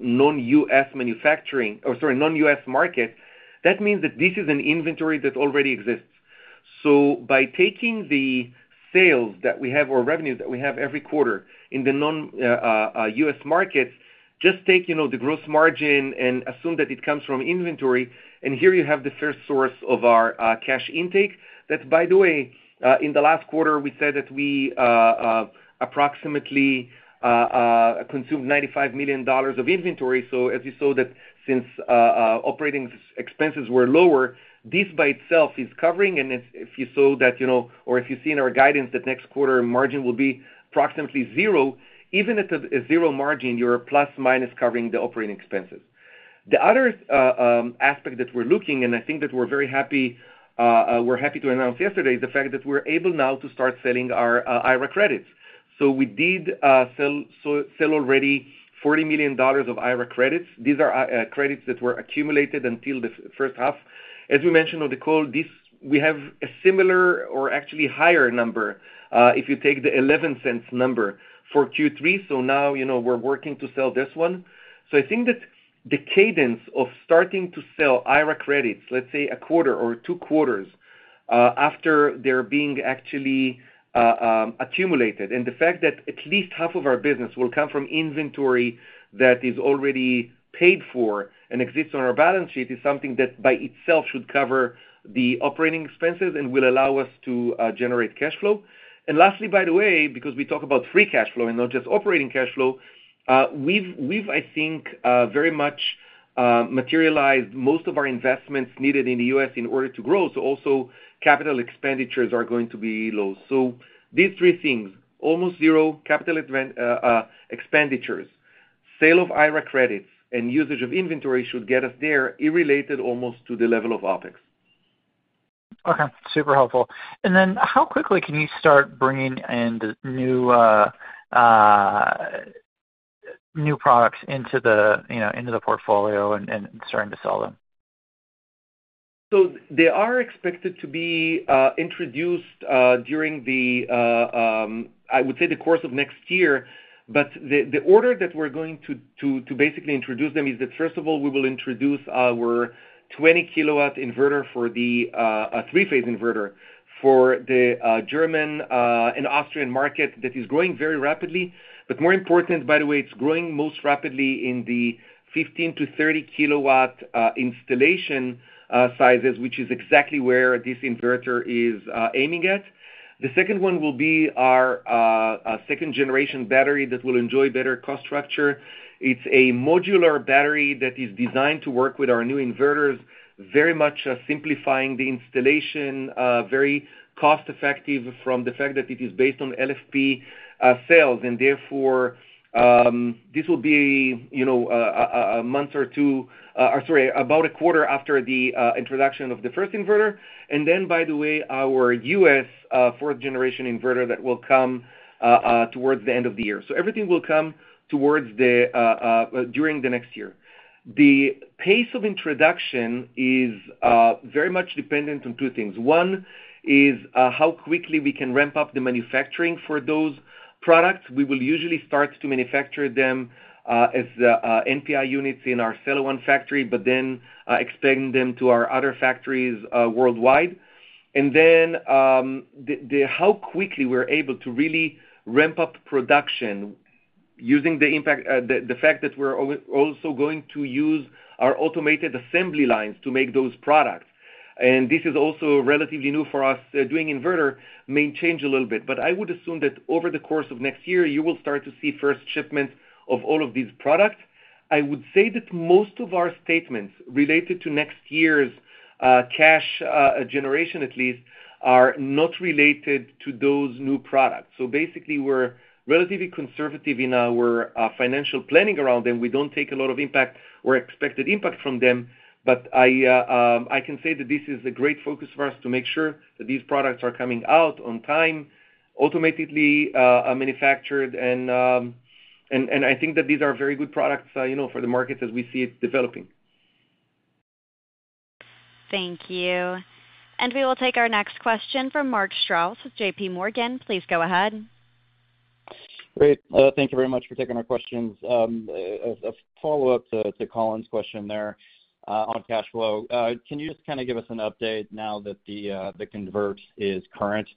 non-U.S. manufacturing or sorry, non-U.S. market, that means that this is an inventory that already exists. So by taking the sales that we have or revenues that we have every quarter in the non-U.S. markets, just take the gross margin and assume that it comes from inventory. And here you have the first source of our cash intake. That's, by the way, in the last quarter, we said that we approximately consumed $95 million of inventory. So as you saw that since operating expenses were lower, this by itself is covering. And if you saw that or if you see in our guidance that next quarter margin will be approximately zero, even at a zero margin, you're plus minus covering the operating expenses. The other aspect that we're looking, and I think that we're very happy to announce yesterday, is the fact that we're able now to start selling our IRA credits. So we did sell already $40 million of IRA credits. These are credits that were accumulated until the first half. As we mentioned on the call, we have a similar or actually higher number if you take the 11 cents number for Q3. So now we're working to sell this one. So I think that the cadence of starting to sell IRA credits, let's say a quarter or two quarters after they're being actually accumulated, and the fact that at least half of our business will come from inventory that is already paid for and exists on our balance sheet is something that by itself should cover the operating expenses and will allow us to generate cash flow. And lastly, by the way, because we talk about free cash flow and not just operating cash flow, we've, I think, very much materialized most of our investments needed in the U.S. in order to grow. So also, capital expenditures are going to be low. So these three things, almost zero capital expenditures, sale of IRA credits, and usage of inventory should get us there unrelated almost to the level of OpEx. Okay. Super helpful. And then how quickly can you start bringing in the new products into the portfolio and starting to sell them? So they are expected to be introduced during the, I would say, the course of next year. But the order that we're going to basically introduce them is that, first of all, we will introduce our 20-kilowatt inverter for the three-phase inverter for the German and Austrian market that is growing very rapidly. But more important, by the way, it's growing most rapidly in the 15- to 30-kilowatt installation sizes, which is exactly where this inverter is aiming at. The second one will be our second-generation battery that will enjoy better cost structure. It's a modular battery that is designed to work with our new inverters, very much simplifying the installation, very cost-effective from the fact that it is based on LFP cells. And therefore, this will be a month or two or sorry, about a quarter after the introduction of the first inverter. And then, by the way, our U.S. fourth-generation inverter that will come towards the end of the year. So everything will come towards the during the next year. The pace of introduction is very much dependent on two things. One is how quickly we can ramp up the manufacturing for those products. We will usually start to manufacture them as NPI units in our Sella factory, but then expand them to our other factories worldwide, and then how quickly we're able to really ramp up production using the impact the fact that we're also going to use our automated assembly lines to make those products, and this is also relatively new for us. Doing inverter may change a little bit, but I would assume that over the course of next year, you will start to see first shipment of all of these products. I would say that most of our statements related to next year's cash generation, at least, are not related to those new products, so basically, we're relatively conservative in our financial planning around them. We don't take a lot of impact or expected impact from them. I can say that this is a great focus for us to make sure that these products are coming out on time, automatically manufactured. I think that these are very good products for the market as we see it developing. Thank you. We will take our next question from Mark Strouse with JPMorgan. Please go ahead. Great. Thank you very much for taking our questions. A follow-up to Colin's question there on cash flow. Can you just kind of give us an update now that the convert is current,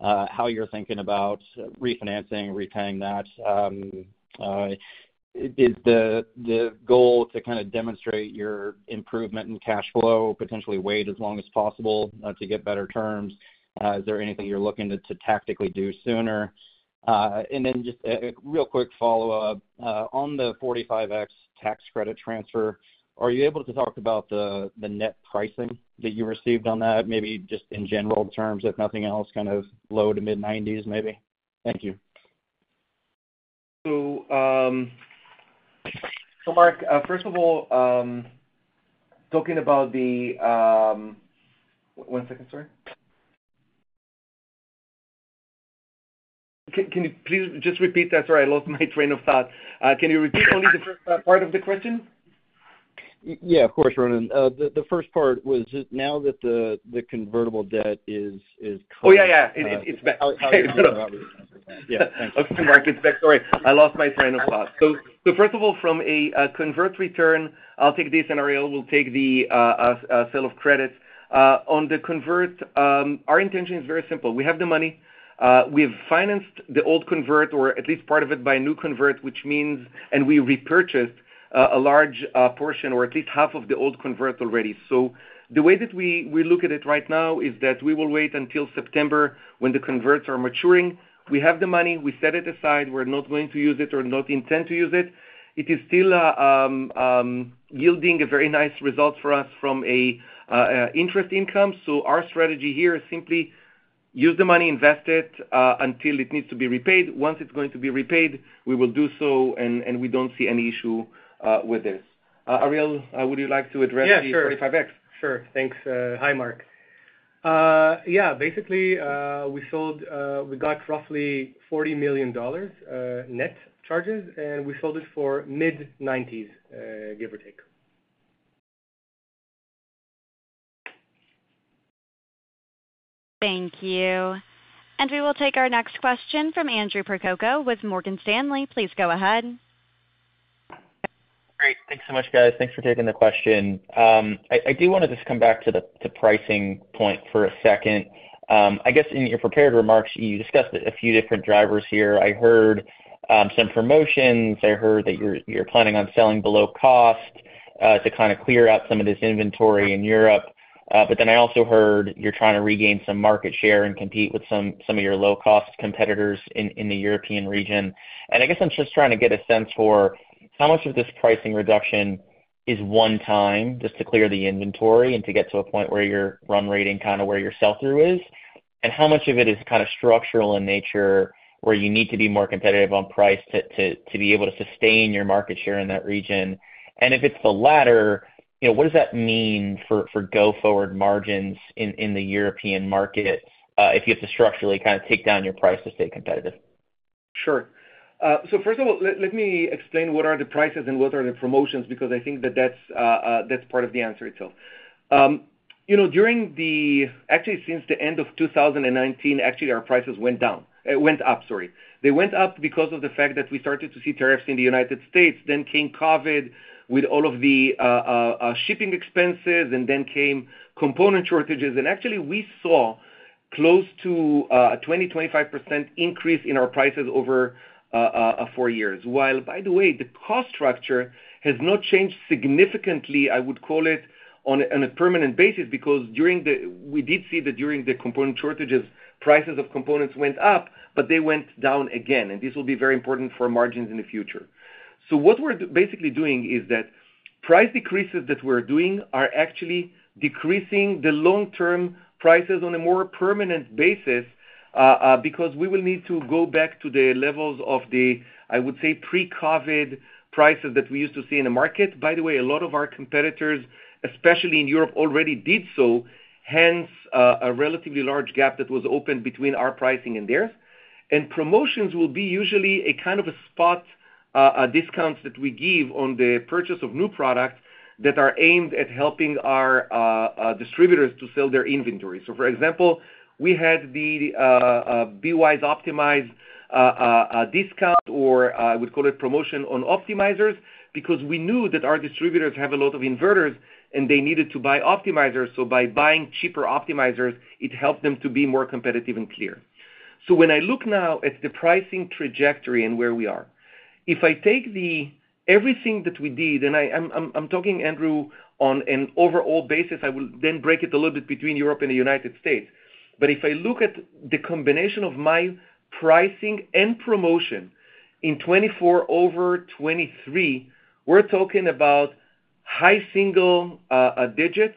how you're thinking about refinancing, repaying that? Is the goal to kind of demonstrate your improvement in cash flow, potentially wait as long as possible to get better terms? Is there anything you're looking to tactically do sooner? And then just a real quick follow-up. On the 45X tax credit transfer, are you able to talk about the net pricing that you received on that, maybe just in general terms, if nothing else, kind of low-to-mid 90s, maybe? Thank you. So, Mark, first of all, talking about the one second, sorry. Can you please just repeat that? Sorry, I lost my train of thought. Can you repeat only the first part of the question? Yeah, of course, Ronen. The first part was now that the convertible debt is cut. Oh, yeah, yeah. It's back. Yeah. Thanks. Okay, Mark, it's back. Sorry, I lost my train of thought. So, first of all, from a convert return, I'll take this scenario. We'll take the sale of credits. On the convert, our intention is very simple. We have the money. We've financed the old convert or at least part of it by a new convert, which means and we repurchased a large portion or at least half of the old convert already. So the way that we look at it right now is that we will wait until September when the converts are maturing. We have the money. We set it aside. We're not going to use it or not intend to use it. It is still yielding a very nice result for us from an interest income. So our strategy here is simply use the money, invest it until it needs to be repaid. Once it's going to be repaid, we will do so, and we don't see any issue with this. Ariel, would you like to address the 45X? Sure. Sure. Thanks. Hi, Mark. Yeah. Basically, we got roughly $40 million net charges, and we sold it for mid-90s, give or take. Thank you. And we will take our next question from Andrew Percoco with Morgan Stanley. Please go ahead. Great. Thanks so much, guys. Thanks for taking the question. I do want to just come back to the pricing point for a second. I guess in your prepared remarks, you discussed a few different drivers here. I heard some promotions. I heard that you're planning on selling below cost to kind of clear out some of this inventory in Europe. But then I also heard you're trying to regain some market share and compete with some of your low-cost competitors in the European region. And I guess I'm just trying to get a sense for how much of this pricing reduction is one-time, just to clear the inventory and to get to a point where your run rate is kind of where your sell-through is, and how much of it is kind of structural in nature where you need to be more competitive on price to be able to sustain your market share in that region. And if it's the latter, what does that mean for go-forward margins in the European market if you have to structurally kind of take down your price to stay competitive? Sure. So, first of all, let me explain what are the prices and what are the promotions because I think that that's part of the answer itself. Actually, since the end of 2019, actually, our prices went down. It went up, sorry. They went up because of the fact that we started to see tariffs in the United States. Then came COVID with all of the shipping expenses, and then came component shortages. And actually, we saw close to a 20%-25% increase in our prices over four years. While, by the way, the cost structure has not changed significantly, I would call it, on a permanent basis because we did see that during the component shortages, prices of components went up, but they went down again. And this will be very important for margins in the future. So what we're basically doing is that price decreases that we're doing are actually decreasing the long-term prices on a more permanent basis because we will need to go back to the levels of the, I would say, pre-COVID prices that we used to see in the market. By the way, a lot of our competitors, especially in Europe, already did so. Hence, a relatively large gap that was opened between our pricing and theirs. And promotions will be usually a kind of a spot discounts that we give on the purchase of new products that are aimed at helping our distributors to sell their inventory. So, for example, we had the buy optimizer discount or I would call it promotion on optimizers because we knew that our distributors have a lot of inverters, and they needed to buy optimizers. So by buying cheaper optimizers, it helped them to be more competitive and clear. So when I look now at the pricing trajectory and where we are, if I take everything that we did, and I'm talking, Andrew, on an overall basis, I will then break it a little bit between Europe and the United States. But if I look at the combination of my pricing and promotion in 2024 over 2023, we're talking about high single digits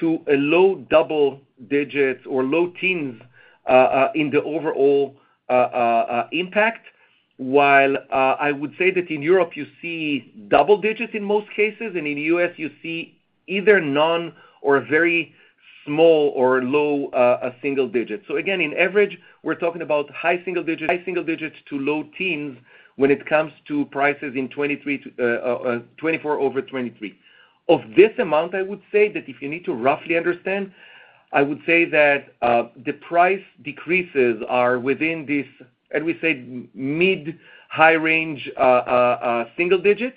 to a low double digits or low teens in the overall impact. While I would say that in Europe, you see double digits in most cases, and in the US, you see either none or very small or low single digits. So again, in average, we're talking about high single digits, high single digits to low teens when it comes to prices in 2024 over 2023. Of this amount, I would say that if you need to roughly understand, I would say that the price decreases are within this, I would say, mid-high range single digit.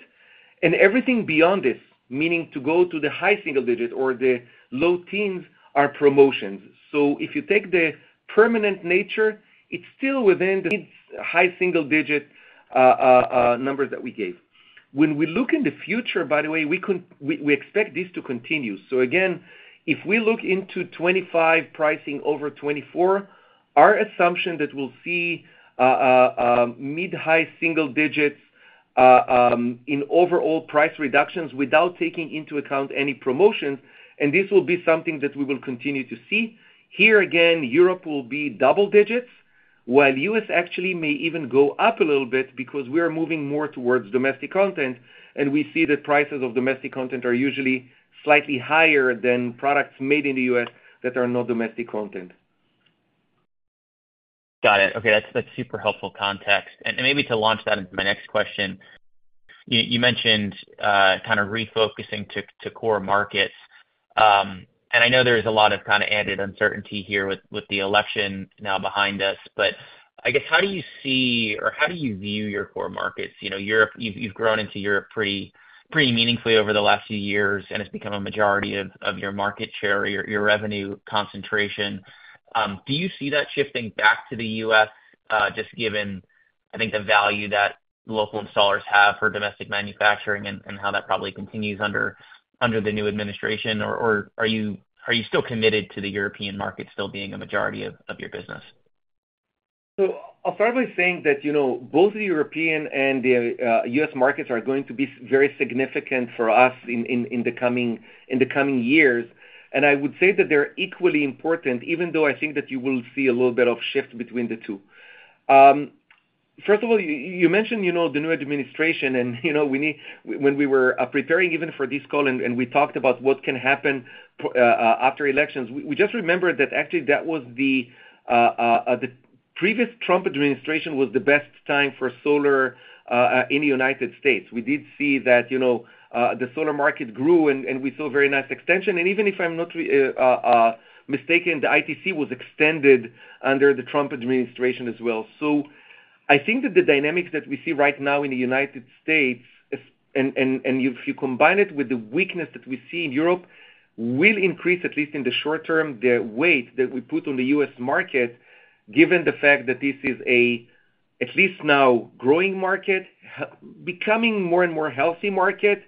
And everything beyond this, meaning to go to the high single digit or the low teens, are promotions. So if you take the permanent nature, it's still within mid-high single digit numbers that we gave. When we look in the future, by the way, we expect this to continue. So again, if we look into 2025 pricing over 2024, our assumption that we'll see mid-high single digits in overall price reductions without taking into account any promotions. And this will be something that we will continue to see. Here, again, Europe will be double digits, while US actually may even go up a little bit because we are moving more towards domestic content. And we see that prices of domestic content are usually slightly higher than products made in the US that are not domestic content. Got it. Okay. That's super helpful context. And maybe to launch that into my next question, you mentioned kind of refocusing to core markets. And I know there is a lot of kind of added uncertainty here with the election now behind us. But I guess how do you see or how do you view your core markets? You've grown into Europe pretty meaningfully over the last few years, and it's become a majority of your market share or your revenue concentration. Do you see that shifting back to the US, just given, I think, the value that local installers have for domestic manufacturing and how that probably continues under the new administration? Or are you still committed to the European market still being a majority of your business? So I'll probably say that both the European and the US markets are going to be very significant for us in the coming years. And I would say that they're equally important, even though I think that you will see a little bit of shift between the two. First of all, you mentioned the new administration, and when we were preparing even for this call and we talked about what can happen after elections, we just remembered that actually that was the previous Trump administration was the best time for solar in the United States. We did see that the solar market grew, and we saw a very nice extension. And even if I'm not mistaken, the ITC was extended under the Trump administration as well. So I think that the dynamics that we see right now in the United States, and if you combine it with the weakness that we see in Europe, will increase, at least in the short term, the weight that we put on the US market, given the fact that this is a, at least now, growing market, becoming more and more healthy market.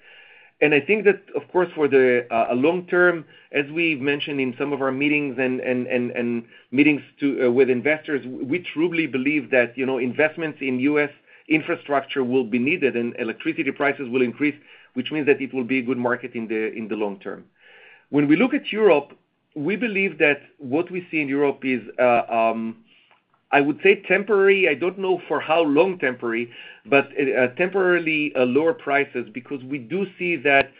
And I think that, of course, for the long term, as we've mentioned in some of our meetings and meetings with investors, we truly believe that investments in US infrastructure will be needed, and electricity prices will increase, which means that it will be a good market in the long term. When we look at Europe, we believe that what we see in Europe is, I would say, temporary. I don't know for how long temporary, but temporarily lower prices because we do see that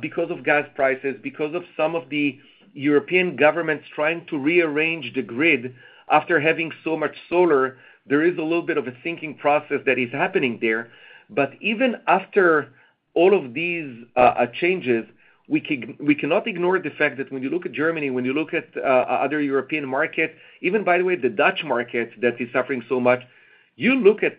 because of gas prices, because of some of the European governments trying to rearrange the grid after having so much solar. There is a little bit of a thinking process that is happening there. But even after all of these changes, we cannot ignore the fact that when you look at Germany, when you look at other European markets, even, by the way, the Dutch market that is suffering so much, you look at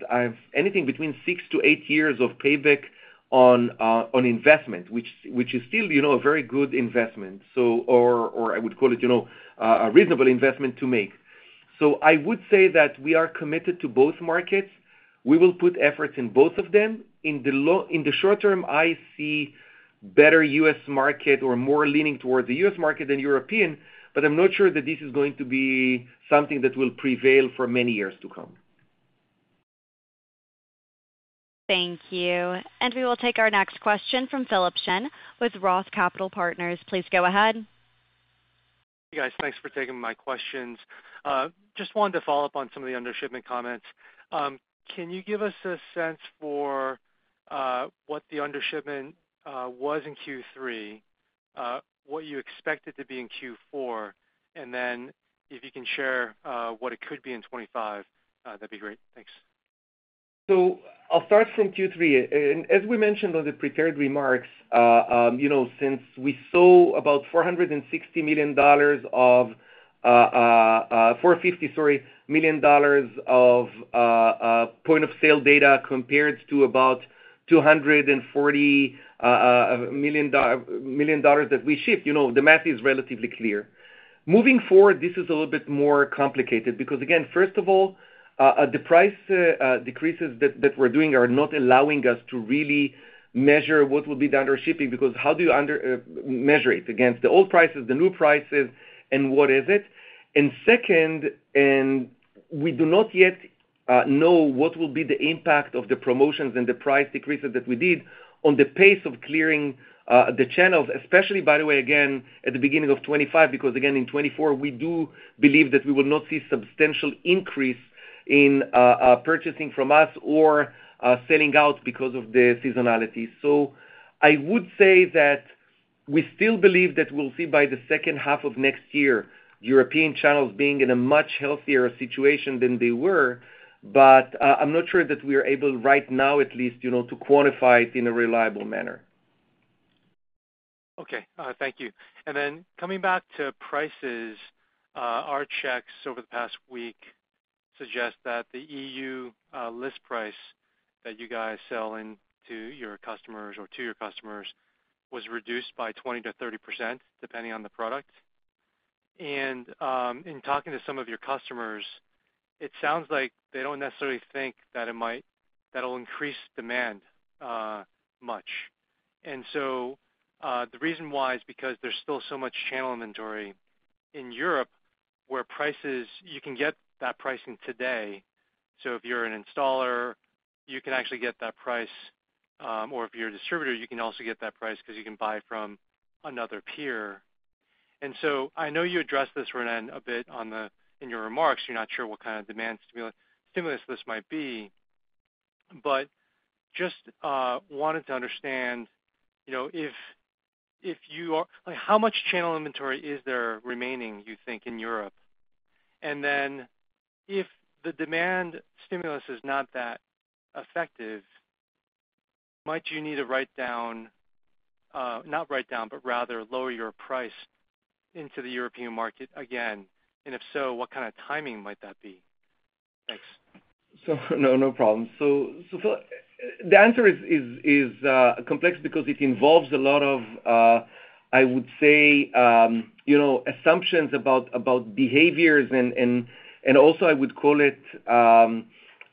anything between six to eight years of payback on investment, which is still a very good investment, or I would call it a reasonable investment to make. So I would say that we are committed to both markets. We will put efforts in both of them. In the short term, I see better U.S. market or more leaning towards the U.S. market than European, but I'm not sure that this is going to be something that will prevail for many years to come. Thank you, and we will take our next question from Philip Shen with Roth Capital Partners. Please go ahead. Hey, guys. Thanks for taking my questions. Just wanted to follow up on some of the undershipment comments. Can you give us a sense for what the undershipment was in Q3, what you expected to be in Q4, and then if you can share what it could be in 2025, that'd be great. Thanks. I'll start from Q3, and as we mentioned on the prepared remarks, since we saw about $460 million of $450, sorry, million dollars of point-of-sale data compared to about $240 million that we shipped, the math is relatively clear. Moving forward, this is a little bit more complicated because, again, first of all, the price decreases that we're doing are not allowing us to really measure what will be the undershipment because how do you measure it against the old prices, the new prices, and what is it? And second, we do not yet know what will be the impact of the promotions and the price decreases that we did on the pace of clearing the channels, especially, by the way, again, at the beginning of 2025 because, again, in 2024, we do believe that we will not see a substantial increase in purchasing from us or selling out because of the seasonality. So I would say that we still believe that we'll see by the second half of next year European channels being in a much healthier situation than they were, but I'm not sure that we are able right now, at least, to quantify it in a reliable manner. Okay. Thank you. And then coming back to prices, our checks over the past week suggest that the EU list price that you guys sell into your customers or to your customers was reduced by 20%-30%, depending on the product. And in talking to some of your customers, it sounds like they don't necessarily think that it'll increase demand much. And so the reason why is because there's still so much channel inventory in Europe where you can get that pricing today. So if you're an installer, you can actually get that price, or if you're a distributor, you can also get that price because you can buy from another peer. And so I know you addressed this, Ronen, a bit in your remarks. You're not sure what kind of demand stimulus this might be. But just wanted to understand if you are, how much channel inventory is there remaining, you think, in Europe? And then if the demand stimulus is not that effective, might you need to write down not write down, but rather lower your price into the European market again? And if so, what kind of timing might that be? Thanks. So no, no problem. So the answer is complex because it involves a lot of, I would say, assumptions about behaviors and also, I would call it,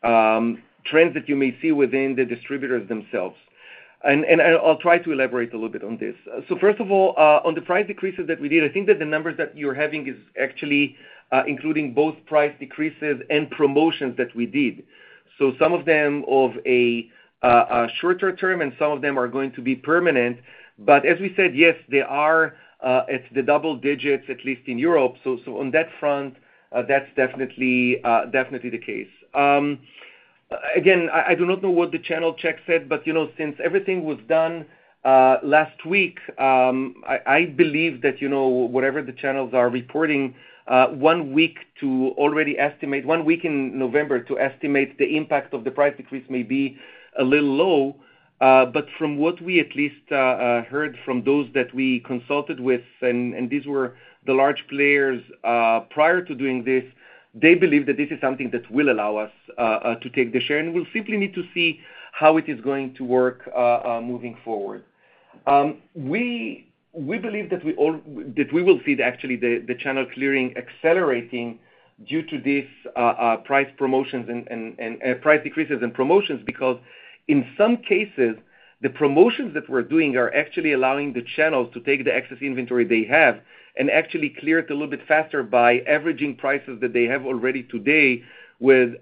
trends that you may see within the distributors themselves. I'll try to elaborate a little bit on this. So first of all, on the price decreases that we did, I think that the numbers that you're having is actually including both price decreases and promotions that we did. So some of them of a shorter term, and some of them are going to be permanent. But as we said, yes, they are at the double digits, at least in Europe. So on that front, that's definitely the case. Again, I do not know what the channel checks said, but since everything was done last week, I believe that whatever the channels are reporting, one week too early to estimate one week in November to estimate the impact of the price decrease may be a little low. but from what we at least heard from those that we consulted with, and these were the large players prior to doing this, they believe that this is something that will allow us to take the share, and we'll simply need to see how it is going to work moving forward. We believe that we will see actually the channel clearing accelerating due to these price promotions and price decreases and promotions because in some cases, the promotions that we're doing are actually allowing the channels to take the excess inventory they have and actually clear it a little bit faster by averaging prices that they have already today with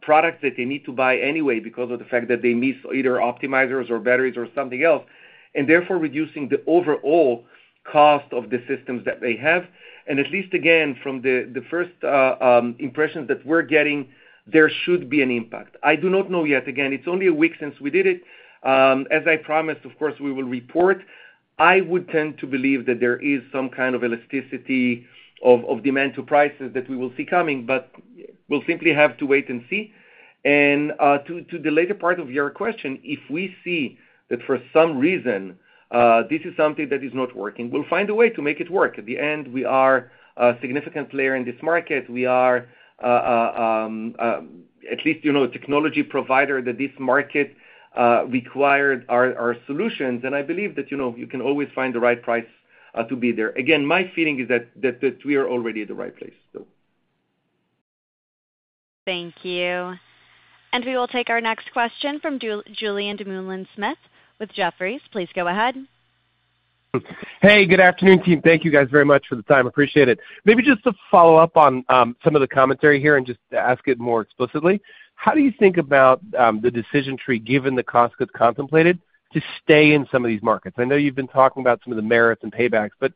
products that they need to buy anyway because of the fact that they miss either optimizers or batteries or something else, and therefore reducing the overall cost of the systems that they have. And at least, again, from the first impressions that we're getting, there should be an impact. I do not know yet. Again, it's only a week since we did it. As I promised, of course, we will report. I would tend to believe that there is some kind of elasticity of demand to prices that we will see coming, but we'll simply have to wait and see. And to the later part of your question, if we see that for some reason this is something that is not working, we'll find a way to make it work. At the end, we are a significant player in this market. We are, at least, a technology provider that this market required our solutions. And I believe that you can always find the right price to be there. Again, my feeling is that we are already at the right place, though. Thank you. We will take our next question from Julien Dumoulin-Smith with Jefferies. Please go ahead. Hey, good afternoon, team. Thank you guys very much for the time. Appreciate it. Maybe just to follow up on some of the commentary here and just ask it more explicitly. How do you think about the decision tree, given the costs that's contemplated, to stay in some of these markets? I know you've been talking about some of the merits and paybacks, but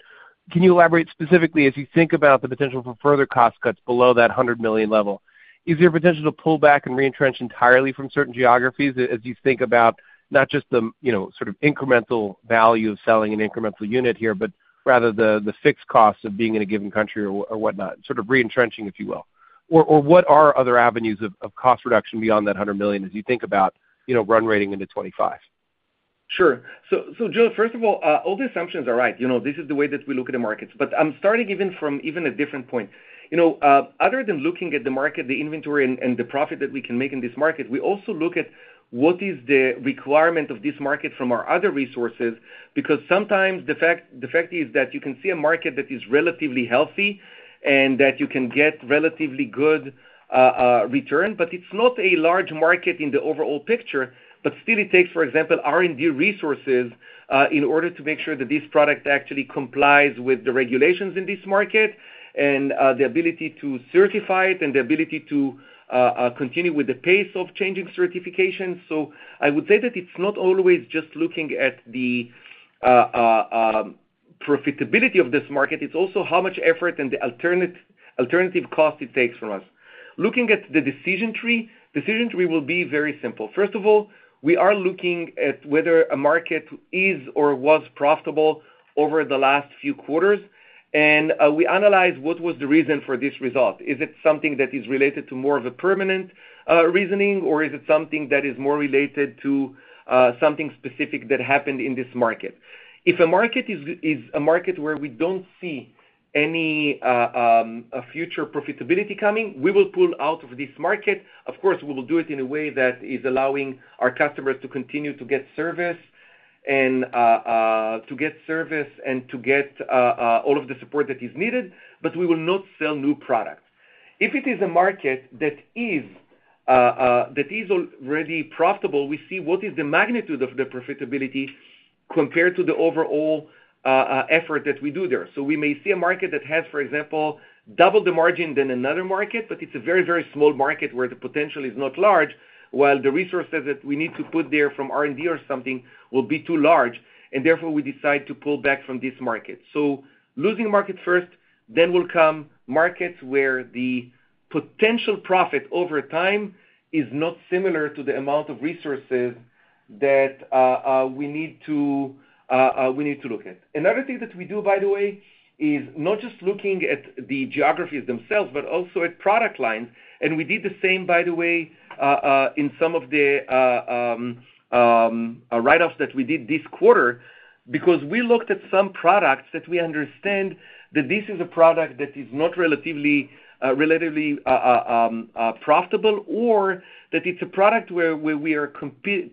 can you elaborate specifically as you think about the potential for further cost cuts below that $100 million level? Is there a potential to pull back and reentrench entirely from certain geographies as you think about not just the sort of incremental value of selling an incremental unit here, but rather the fixed cost of being in a given country or whatnot, sort of reentrenching, if you will? Or what are other avenues of cost reduction beyond that $100 million as you think about run-rate into 2025? Sure. So, Joe, first of all, all the assumptions are right. This is the way that we look at the markets. But I'm starting even from a different point. Other than looking at the market, the inventory, and the profit that we can make in this market, we also look at what is the requirement of this market from our other resources because sometimes the fact is that you can see a market that is relatively healthy and that you can get relatively good return, but it's not a large market in the overall picture. But still, it takes, for example, R&D resources in order to make sure that this product actually complies with the regulations in this market and the ability to certify it and the ability to continue with the pace of changing certifications. So I would say that it's not always just looking at the profitability of this market. It's also how much effort and the alternative cost it takes from us. Looking at the decision tree, decision tree will be very simple. First of all, we are looking at whether a market is or was profitable over the last few quarters, and we analyze what was the reason for this result. Is it something that is related to more of a permanent reasoning, or is it something that is more related to something specific that happened in this market? If a market is a market where we don't see any future profitability coming, we will pull out of this market. Of course, we will do it in a way that is allowing our customers to continue to get service and to get all of the support that is needed, but we will not sell new products. If it is a market that is already profitable, we see what is the magnitude of the profitability compared to the overall effort that we do there. So we may see a market that has, for example, double the margin than another market, but it's a very, very small market where the potential is not large, while the resources that we need to put there from R&D or something will be too large, and therefore we decide to pull back from this market. So losing markets first, then will come markets where the potential profit over time is not similar to the amount of resources that we need to look at. Another thing that we do, by the way, is not just looking at the geographies themselves, but also at product lines. And we did the same, by the way, in some of the write-offs that we did this quarter because we looked at some products that we understand that this is a product that is not relatively profitable or that it's a product where we are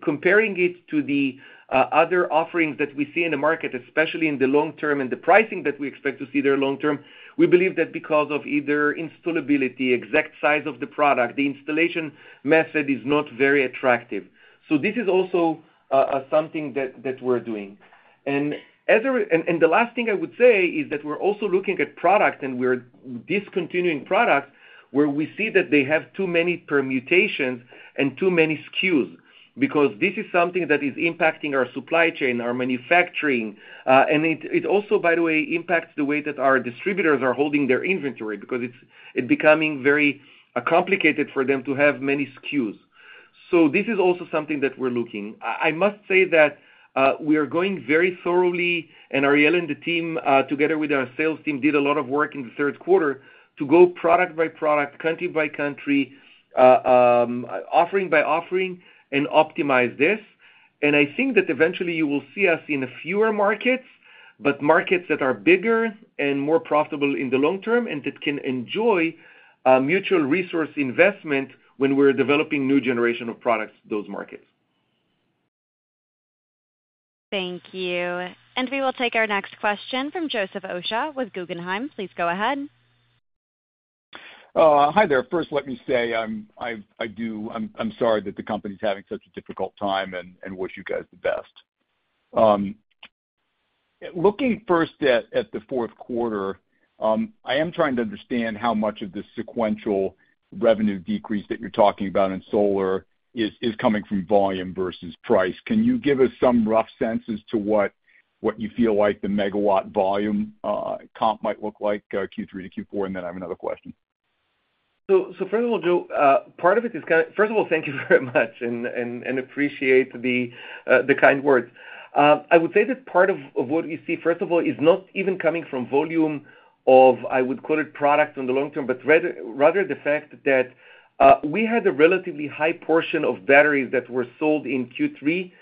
comparing it to the other offerings that we see in the market, especially in the long term and the pricing that we expect to see there long term. We believe that because of either installability, exact size of the product, the installation method is not very attractive. So this is also something that we're doing. And the last thing I would say is that we're also looking at product, and we're discontinuing products where we see that they have too many permutations and too many SKUs because this is something that is impacting our supply chain, our manufacturing. And it also, by the way, impacts the way that our distributors are holding their inventory because it's becoming very complicated for them to have many SKUs. So this is also something that we're looking. I must say that we are going very thoroughly, and Ariel and the team, together with our sales team, did a lot of work in the third quarter to go product by product, country by country, offering by offering, and optimize this. And I think that eventually you will see us in fewer markets, but markets that are bigger and more profitable in the long term and that can enjoy mutual resource investment when we're developing new generation of products in those markets. Thank you. And we will take our next question from Joseph Osha with Guggenheim. Please go ahead. Hi there. First, let me say I'm sorry that the company is having such a difficult time and wish you guys the best. Looking first at the fourth quarter, I am trying to understand how much of the sequential revenue decrease that you're talking about in solar is coming from volume versus price. Can you give us some rough sense to what you feel like the megawatt volume comp might look like Q3 to Q4? And then I have another question. So first of all, Joe, part of it is kind of first of all, thank you very much and appreciate the kind words. I would say that part of what we see, first of all, is not even coming from volume of, I would call it, product on the long term, but rather the fact that we had a relatively high portion of batteries that were sold in Q3,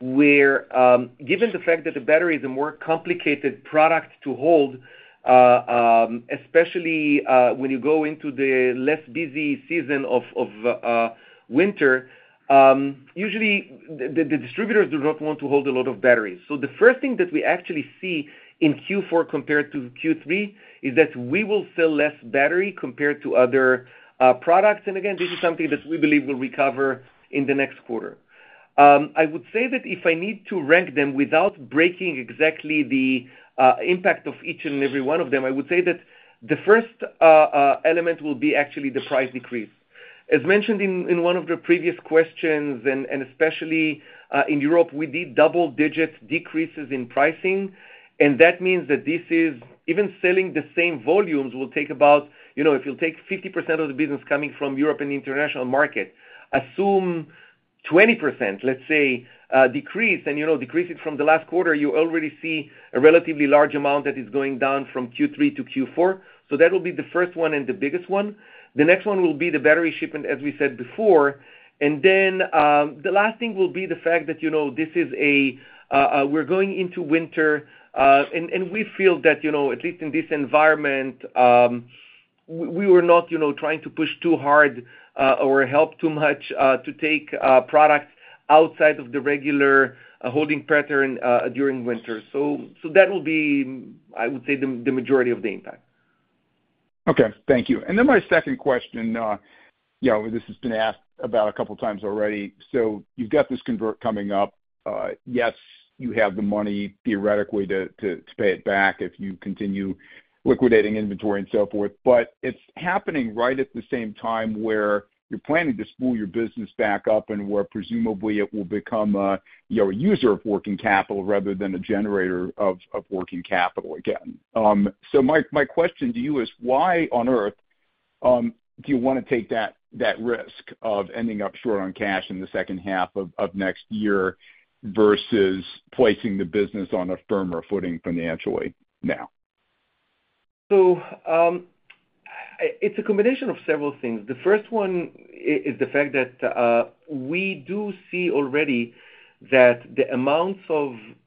where given the fact that the battery is a more complicated product to hold, especially when you go into the less busy season of winter, usually the distributors do not want to hold a lot of batteries. So the first thing that we actually see in Q4 compared to Q3 is that we will sell less battery compared to other products. And again, this is something that we believe will recover in the next quarter. I would say that if I need to rank them without breaking exactly the impact of each and every one of them, I would say that the first element will be actually the price decrease. As mentioned in one of the previous questions, and especially in Europe, we did double-digit decreases in pricing, and that means that even selling the same volumes will take about if you'll take 50% of the business coming from Europe and the international market, assume 20%, let's say, decrease, and decrease it from the last quarter, you already see a relatively large amount that is going down from Q3 to Q4, so that will be the first one and the biggest one. The next one will be the battery shipment, as we said before. And then the last thing will be the fact that this is, we're going into winter, and we feel that, at least in this environment, we were not trying to push too hard or help too much to take product outside of the regular holding pattern during winter. So that will be, I would say, the majority of the impact. Okay. Thank you. And then my second question, this has been asked about a couple of times already. So you've got this convert coming up. Yes, you have the money theoretically to pay it back if you continue liquidating inventory and so forth, but it's happening right at the same time where you're planning to spool your business back up and where presumably it will become a user of working capital rather than a generator of working capital again. So my question to you is, why on earth do you want to take that risk of ending up short on cash in the second half of next year versus placing the business on a firmer footing financially now? So it's a combination of several things. The first one is the fact that we do see already that the amounts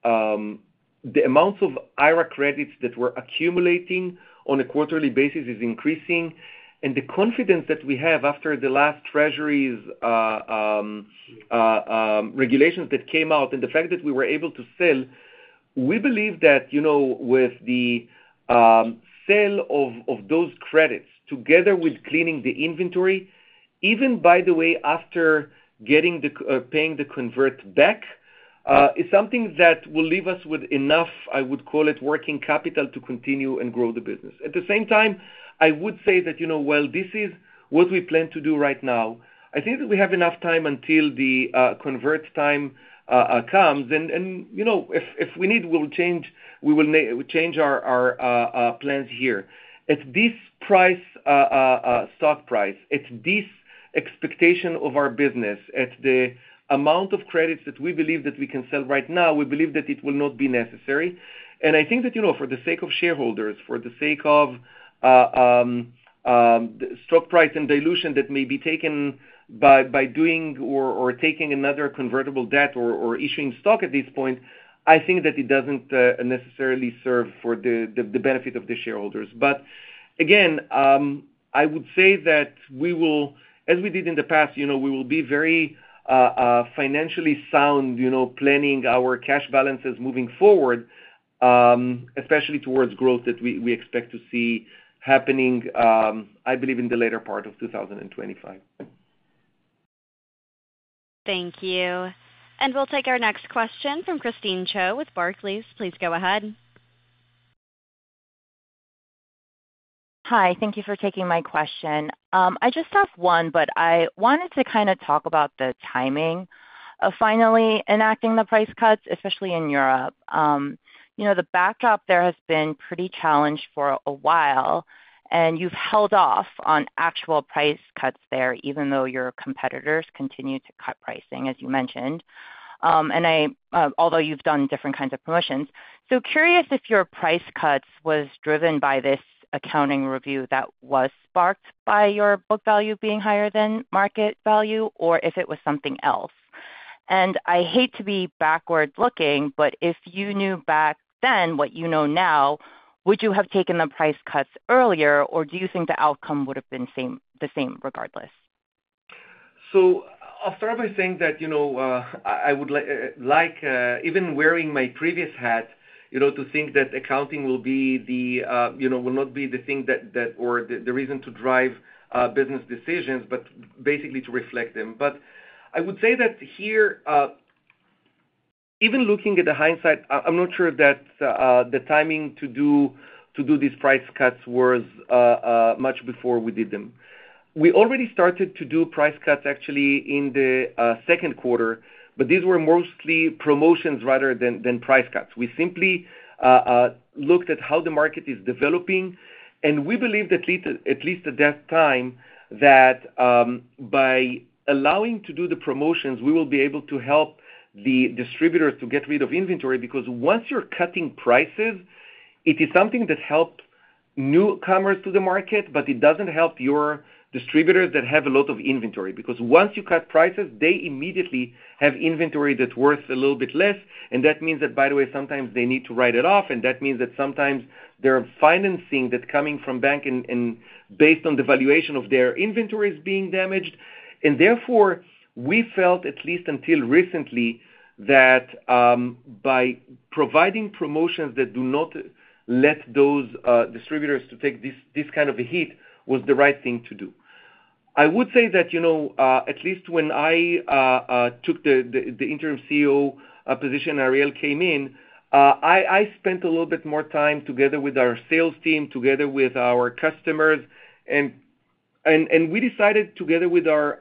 of IRA credits that we're accumulating on a quarterly basis is increasing, and the confidence that we have after the last Treasury's regulations that came out and the fact that we were able to sell. We believe that with the sale of those credits together with cleaning the inventory, even by the way, after paying the convert back, is something that will leave us with enough, I would call it, working capital to continue and grow the business. At the same time, I would say that, well, this is what we plan to do right now. I think that we have enough time until the convert time comes, and if we need, we will change our plans here. At this stock price, at this expectation of our business, at the amount of credits that we believe that we can sell right now, we believe that it will not be necessary. And I think that for the sake of shareholders, for the sake of stock price and dilution that may be taken by doing or taking another convertible debt or issuing stock at this point, I think that it doesn't necessarily serve for the benefit of the shareholders. But again, I would say that we will, as we did in the past, we will be very financially sound planning our cash balances moving forward, especially towards growth that we expect to see happening, I believe, in the later part of 2025. Thank you. And we'll take our next question from Christine Cho with Barclays. Please go ahead. Hi. Thank you for taking my question. I just have one, but I wanted to kind of talk about the timing of finally enacting the price cuts, especially in Europe. The backdrop there has been pretty challenged for a while, and you've held off on actual price cuts there, even though your competitors continue to cut pricing, as you mentioned, although you've done different kinds of promotions. So curious if your price cuts was driven by this accounting review that was sparked by your book value being higher than market value or if it was something else? And I hate to be backward-looking, but if you knew back then what you know now, would you have taken the price cuts earlier, or do you think the outcome would have been the same regardless? So I'll start by saying that I would like, even wearing my previous hat, to think that accounting will not be the thing or the reason to drive business decisions, but basically to reflect them. But I would say that here, even looking at the hindsight, I'm not sure that the timing to do these price cuts was much before we did them. We already started to do price cuts, actually, in the second quarter, but these were mostly promotions rather than price cuts. We simply looked at how the market is developing, and we believed at least at that time that by allowing to do the promotions, we will be able to help the distributors to get rid of inventory because once you're cutting prices, it is something that helps newcomers to the market, but it doesn't help your distributors that have a lot of inventory because once you cut prices, they immediately have inventory that's worth a little bit less, and that means that, by the way, sometimes they need to write it off, and that means that sometimes their financing that's coming from bank and based on the valuation of their inventory is being damaged, and therefore, we felt, at least until recently, that by providing promotions that do not let those distributors take this kind of a hit was the right thing to do. I would say that at least when I took the interim CEO position, Ariel came in. I spent a little bit more time together with our sales team, together with our customers, and we decided together with our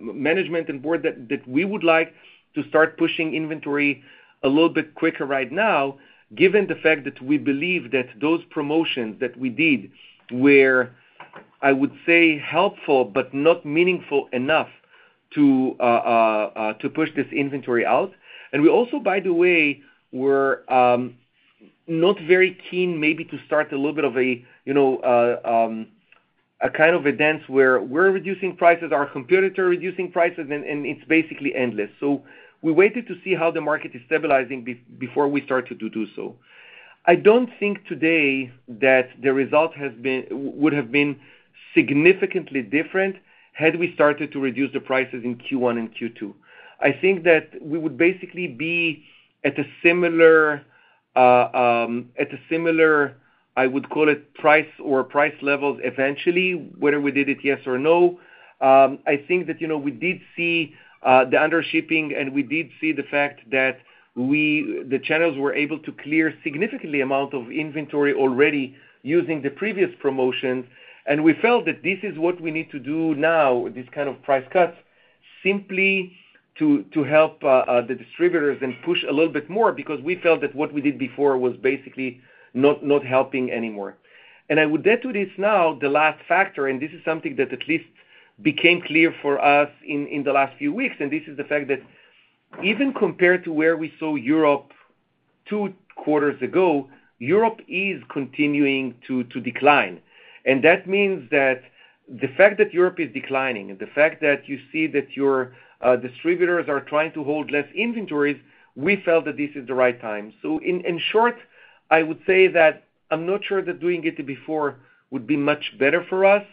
management and board that we would like to start pushing inventory a little bit quicker right now, given the fact that we believe that those promotions that we did were, I would say, helpful but not meaningful enough to push this inventory out, and we also, by the way, were not very keen maybe to start a little bit of a kind of a dance where we're reducing prices, our competitors are reducing prices, and it's basically endless, so we waited to see how the market is stabilizing before we started to do so. I don't think today that the result would have been significantly different had we started to reduce the prices in Q1 and Q2. I think that we would basically be at a similar, I would call it, price or price levels eventually, whether we did it yes or no. I think that we did see the undershipping, and we did see the fact that the channels were able to clear a significant amount of inventory already using the previous promotions, and we felt that this is what we need to do now, this kind of price cuts, simply to help the distributors and push a little bit more because we felt that what we did before was basically not helping anymore. And I would add to this now the last factor, and this is something that at least became clear for us in the last few weeks, and this is the fact that even compared to where we saw Europe two quarters ago, Europe is continuing to decline. And that means that the fact that Europe is declining, the fact that you see that your distributors are trying to hold less inventories, we felt that this is the right time. So in short, I would say that I'm not sure that doing it before would be much better for us.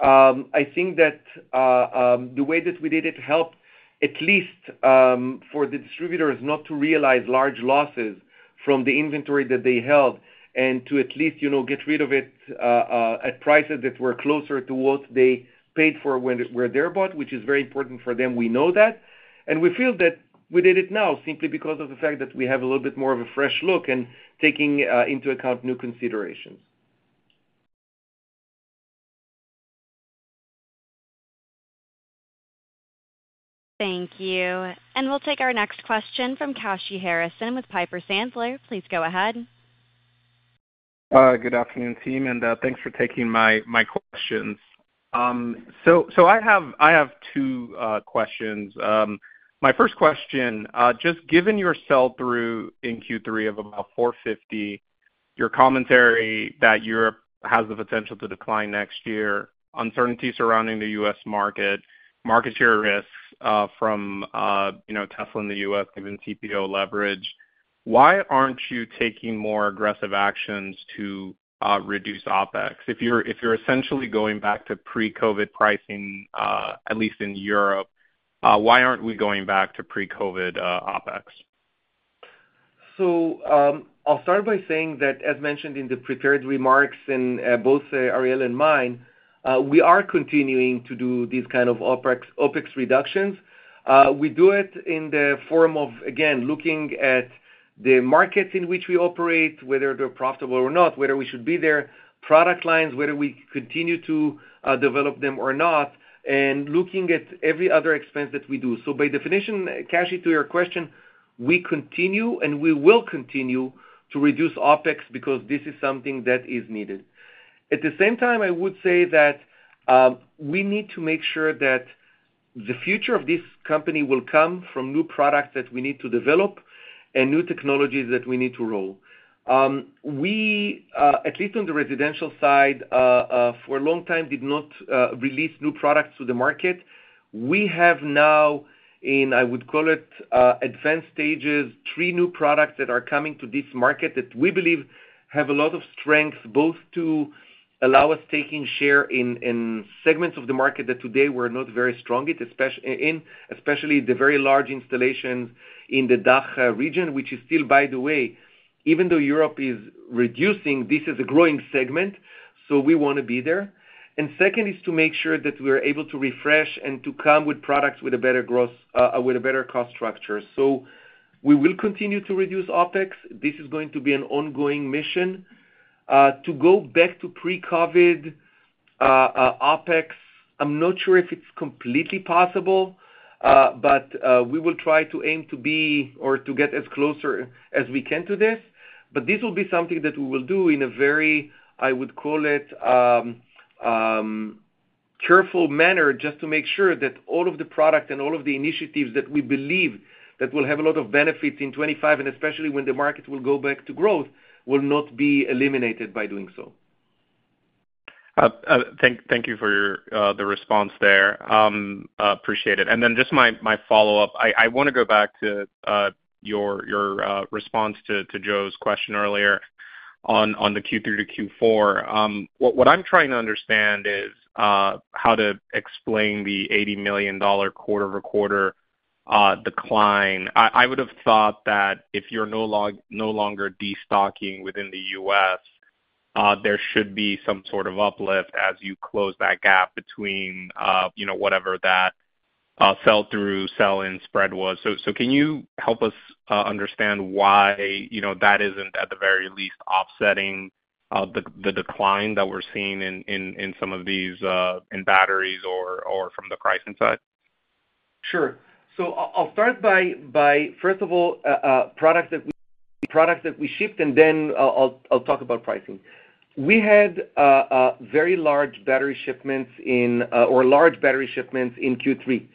I think that the way that we did it helped at least for the distributors not to realize large losses from the inventory that they held and to at least get rid of it at prices that were closer to what they paid for what they bought, which is very important for them. We know that. And we feel that we did it now simply because of the fact that we have a little bit more of a fresh look and taking into account new considerations. Thank you. And we'll take our next question from Kashy Harrison with Piper Sandler. Please go ahead. Good afternoon, team, and thanks for taking my questions. So I have two questions. My first question, just given your sell-through in Q3 of about 450, your commentary that Europe has the potential to decline next year, uncertainty surrounding the U.S. market, market share risks from Tesla in the U.S. given TPO leverage, why aren't you taking more aggressive actions to reduce OpEx? If you're essentially going back to pre-COVID pricing, at least in Europe, why aren't we going back to pre-COVID OpEx? So I'll start by saying that, as mentioned in the prepared remarks in both Ariel and mine, we are continuing to do these kind of OpEx reductions. We do it in the form of, again, looking at the markets in which we operate, whether they're profitable or not, whether we should be there, product lines, whether we continue to develop them or not, and looking at every other expense that we do. By definition, Kashy, to your question, we continue and we will continue to reduce OpEx because this is something that is needed. At the same time, I would say that we need to make sure that the future of this company will come from new products that we need to develop and new technologies that we need to roll. We, at least on the residential side, for a long time did not release new products to the market. We have now, in, I would call it, advanced stages, three new products that are coming to this market that we believe have a lot of strength both to allow us taking share in segments of the market that today were not very strong, especially the very large installations in the DACH region, which is still, by the way, even though Europe is reducing, this is a growing segment, so we want to be there. And second is to make sure that we are able to refresh and to come with products with a better cost structure. So we will continue to reduce OpEx. This is going to be an ongoing mission. To go back to pre-COVID OpEx, I'm not sure if it's completely possible, but we will try to aim to be or to get as close as we can to this. But this will be something that we will do in a very, I would call it, careful manner just to make sure that all of the product and all of the initiatives that we believe that will have a lot of benefits in 2025, and especially when the market will go back to growth, will not be eliminated by doing so. Thank you for the response there. Appreciate it. And then just my follow-up, I want to go back to your response to Joe's question earlier on the Q3 to Q4. What I'm trying to understand is how to explain the $80 million quarter-to-quarter decline. I would have thought that if you're no longer destocking within the U.S., there should be some sort of uplift as you close that gap between whatever that sell-through, sell-in spread was. So can you help us understand why that isn't, at the very least, offsetting the decline that we're seeing in some of these batteries or from the pricing side? Sure. So I'll start by, first of all, products that we shipped, and then I'll talk about pricing. We had very large battery shipments or large battery shipments in Q3.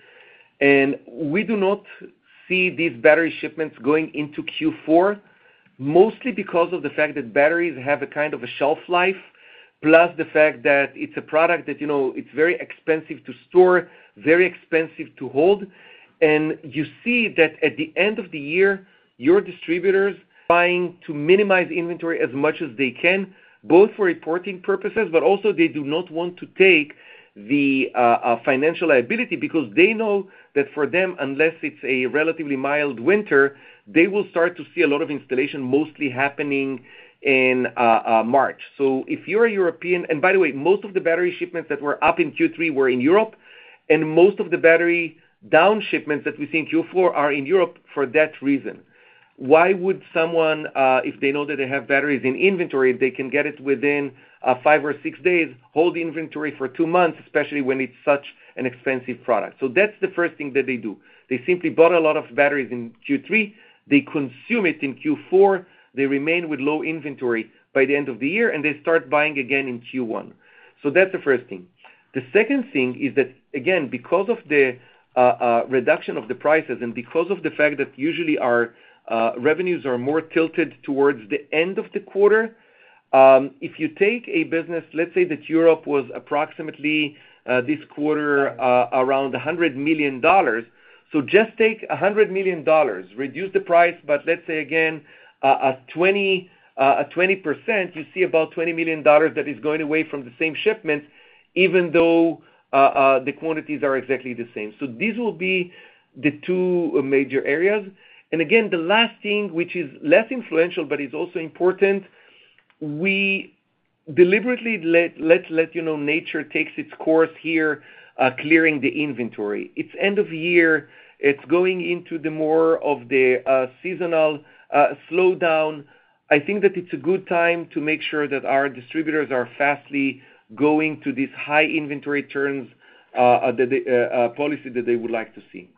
And we do not see these battery shipments going into Q4, mostly because of the fact that batteries have a kind of a shelf life, plus the fact that it's a product that it's very expensive to store, very expensive to hold. You see that at the end of the year, your distributors are trying to minimize inventory as much as they can, both for reporting purposes, but also they do not want to take the financial liability because they know that for them, unless it's a relatively mild winter, they will start to see a lot of installation mostly happening in March. So if you're a European, and by the way, most of the battery shipments that were up in Q3 were in Europe, and most of the battery down shipments that we see in Q4 are in Europe for that reason. Why would someone, if they know that they have batteries in inventory, if they can get it within five or six days, hold inventory for two months, especially when it's such an expensive product? So that's the first thing that they do. They simply bought a lot of batteries in Q3. They consume it in Q4. They remain with low inventory by the end of the year, and they start buying again in Q1. So that's the first thing. The second thing is that, again, because of the reduction of the prices and because of the fact that usually our revenues are more tilted towards the end of the quarter, if you take a business, let's say that Europe was approximately this quarter around $100 million. So just take $100 million, reduce the price, but let's say, again, 20%, you see about $20 million that is going away from the same shipment, even though the quantities are exactly the same. So these will be the two major areas. And again, the last thing, which is less influential but is also important, we deliberately let nature take its course here, clearing the inventory. It's end of year. It's going into more of the seasonal slowdown. I think that it's a good time to make sure that our distributors are quickly going to these high inventory turns, the policy that they would like to see.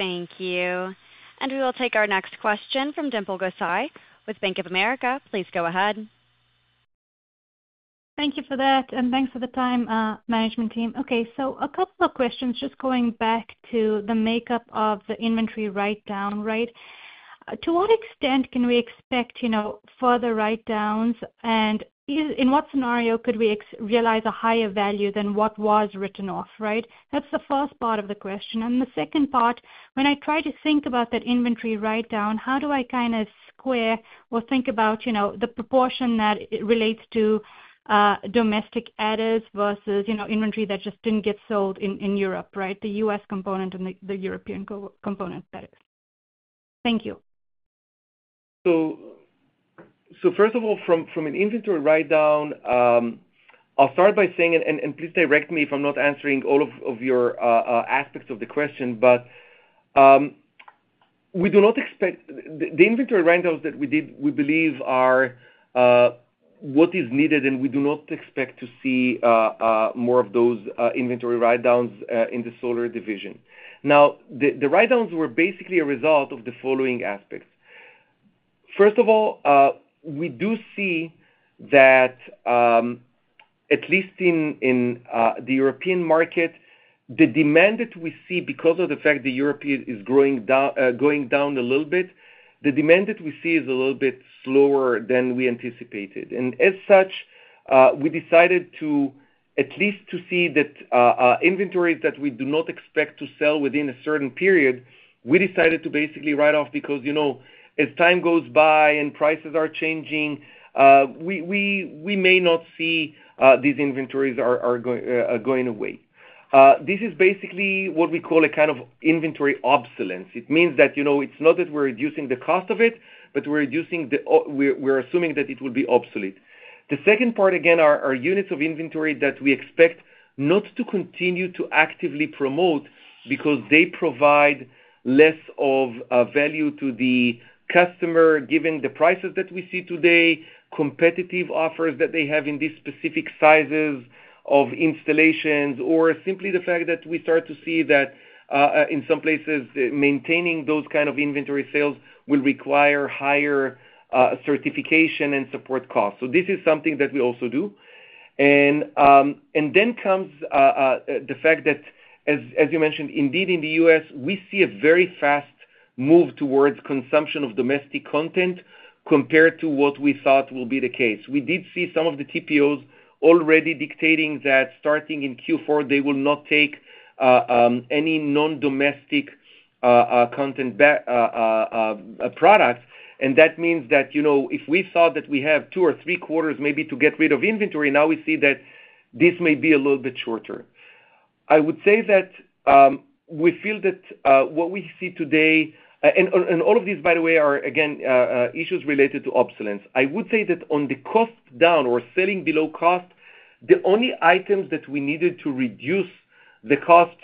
Thank you. And we will take our next question from Dimple Gosai with Bank of America. Please go ahead. Thank you for that, and thanks for the time, management team. Okay. So a couple of questions just going back to the makeup of the inventory write-down, right? To what extent can we expect further write-downs, and in what scenario could we realize a higher value than what was written off, right? That's the first part of the question. The second part, when I try to think about that inventory write-down, how do I kind of square or think about the proportion that relates to domestic adders versus inventory that just didn't get sold in Europe, right? The U.S. component and the European component, that is. Thank you. First of all, from an inventory write-down, I'll start by saying, and please direct me if I'm not answering all of your aspects of the question, but we do not expect the inventory write-downs that we did, we believe, are what is needed, and we do not expect to see more of those inventory write-downs in the solar division. Now, the write-downs were basically a result of the following aspects. First of all, we do see that, at least in the European market, the demand that we see because of the fact the European is going down a little bit, the demand that we see is a little bit slower than we anticipated. And as such, we decided at least to see that inventories that we do not expect to sell within a certain period, we decided to basically write off because as time goes by and prices are changing, we may not see these inventories going away. This is basically what we call a kind of inventory obsolescence. It means that it's not that we're reducing the cost of it, but we're assuming that it will be obsolete. The second part, again, are units of inventory that we expect not to continue to actively promote because they provide less of value to the customer given the prices that we see today, competitive offers that they have in these specific sizes of installations, or simply the fact that we start to see that in some places, maintaining those kinds of inventory sales will require higher certification and support costs, so this is something that we also do, and then comes the fact that, as you mentioned, indeed in the U.S., we see a very fast move towards consumption of domestic content compared to what we thought will be the case. We did see some of the TPOs already dictating that starting in Q4, they will not take any non-domestic content products. That means that if we thought that we have two or three quarters maybe to get rid of inventory, now we see that this may be a little bit shorter. I would say that we feel that what we see today, and all of these, by the way, are again issues related to obsolescence. I would say that on the cost down or selling below cost, the only items that we needed to reduce the cost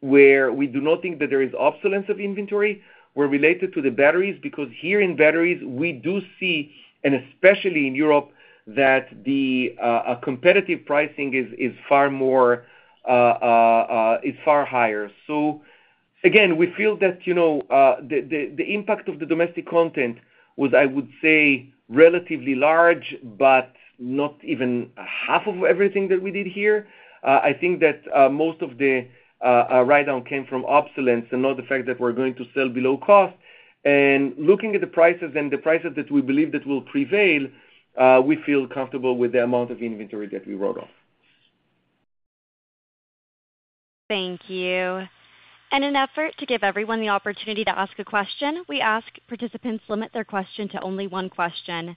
where we do not think that there is obsolescence of inventory were related to the batteries because here in batteries, we do see, and especially in Europe, that the competitive pricing is far more, it's far higher. So again, we feel that the impact of the domestic content was, I would say, relatively large, but not even half of everything that we did here. I think that most of the write-down came from obsolescence and not the fact that we're going to sell below cost. And looking at the prices and the prices that we believe that will prevail, we feel comfortable with the amount of inventory that we wrote off. Thank you. And in an effort to give everyone the opportunity to ask a question, we ask participants limit their question to only one question.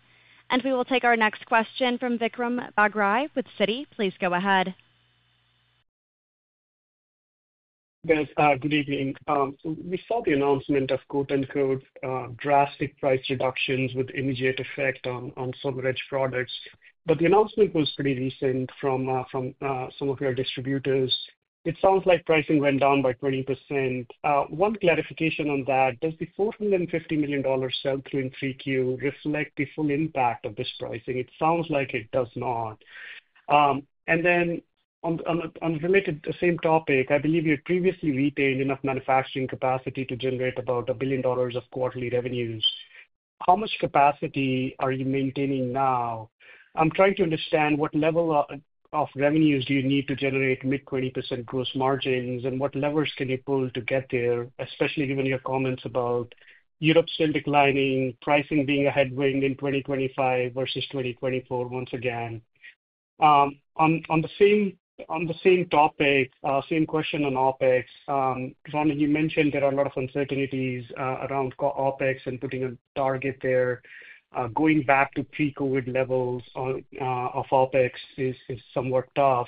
And we will take our next question from Vikram Bagri with Citi. Please go ahead. Yes. Good evening. So we saw the announcement of quote-unquote drastic price reductions with immediate effect on SolarEdge products. But the announcement was pretty recent from some of your distributors. It sounds like pricing went down by 20%. One clarification on that: does the $450 million sell-through in 3Q reflect the full impact of this pricing? It sounds like it does not. And then on a related same topic, I believe you had previously retained enough manufacturing capacity to generate about $1 billion of quarterly revenues. How much capacity are you maintaining now? I'm trying to understand what level of revenues do you need to generate mid-20% gross margins, and what levers can you pull to get there, especially given your comments about Europe still declining, pricing being a headwind in 2025 versus 2024 once again. On the same topic, same question on OpEx, Ronen, you mentioned there are a lot of uncertainties around OpEx and putting a target there. Going back to pre-COVID levels of OpEx is somewhat tough.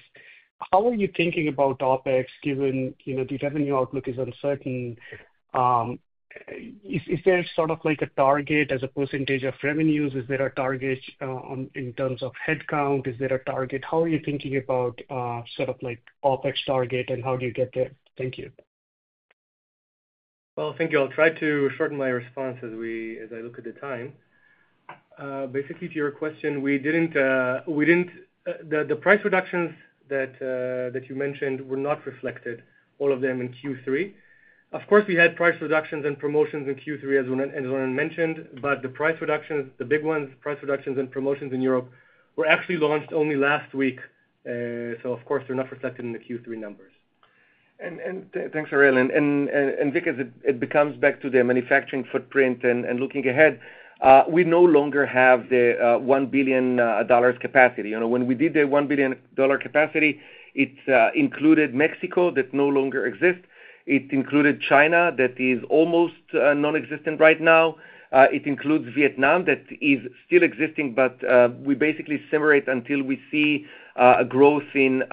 How are you thinking about OpEx given the revenue outlook is uncertain? Is there sort of a target as a percentage of revenues? Is there a target in terms of headcount? Is there a target? How are you thinking about sort of OpEx target, and how do you get there? Thank you. Well, thank you. I'll try to shorten my response as I look at the time. Basically, to your question, we didn't, the price reductions that you mentioned were not reflected, all of them, in Q3. Of course, we had price reductions and promotions in Q3, as Ronen mentioned, but the price reductions, the big ones, price reductions and promotions in Europe were actually launched only last week. So of course, they're not reflected in the Q3 numbers. And thanks, Ariel. And because it becomes back to the manufacturing footprint and looking ahead, we no longer have the $1 billion capacity. When we did the $1 billion capacity, it included Mexico that no longer exists. It included China that is almost nonexistent right now. It includes Vietnam that is still existing, but we basically simulate until we see a growth in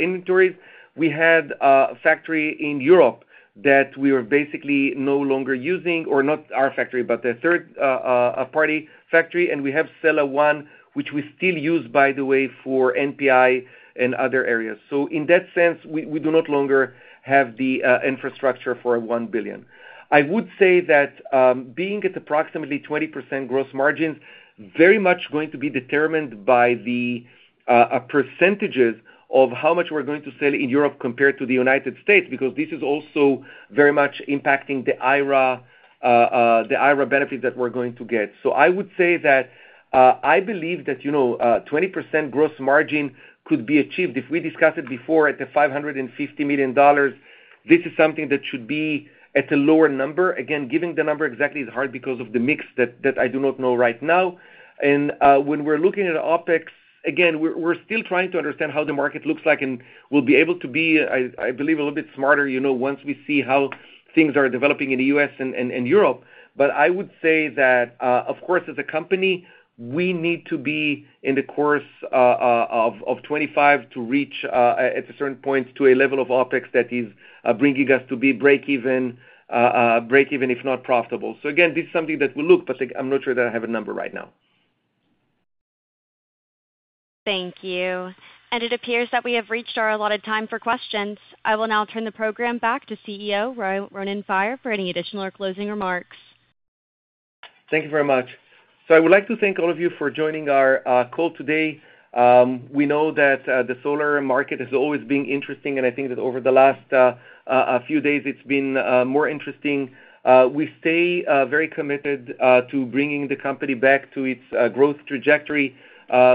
inventories. We had a factory in Europe that we are basically no longer using, or not our factory, but the third-party factory, and we have Sella 1, which we still use, by the way, for NPI and other areas. So in that sense, we no longer have the infrastructure for a $1 billion. I would say that being at approximately 20% gross margins is very much going to be determined by the percentages of how much we're going to sell in Europe compared to the United States because this is also very much impacting the IRA benefit that we're going to get. So I would say that I believe that 20% gross margin could be achieved. If we discussed it before at the $550 million, this is something that should be at a lower number. Again, giving the number exactly is hard because of the mix that I do not know right now. And when we're looking at OpEx, again, we're still trying to understand how the market looks like, and we'll be able to be, I believe, a little bit smarter once we see how things are developing in the U.S. and Europe. But I would say that, of course, as a company, we need to be in the course of 2025 to reach, at a certain point, to a level of OpEx that is bringing us to be break-even, break-even, if not profitable. So again, this is something that we'll look, but I'm not sure that I have a number right now. Thank you. It appears that we have reached our allotted time for questions. I will now turn the program back to CEO Ronen Faier for any additional or closing remarks. Thank you very much. I would like to thank all of you for joining our call today. We know that the solar market has always been interesting, and I think that over the last few days, it's been more interesting. We stay very committed to bringing the company back to its growth trajectory.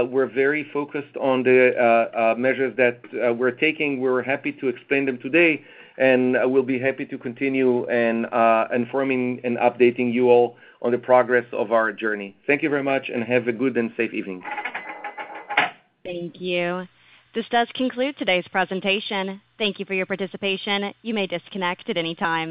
We're very focused on the measures that we're taking. We're happy to explain them today, and we'll be happy to continue informing and updating you all on the progress of our journey. Thank you very much, and have a good and safe evening. Thank you. This does conclude today's presentation. Thank you for your participation. You may disconnect at any time.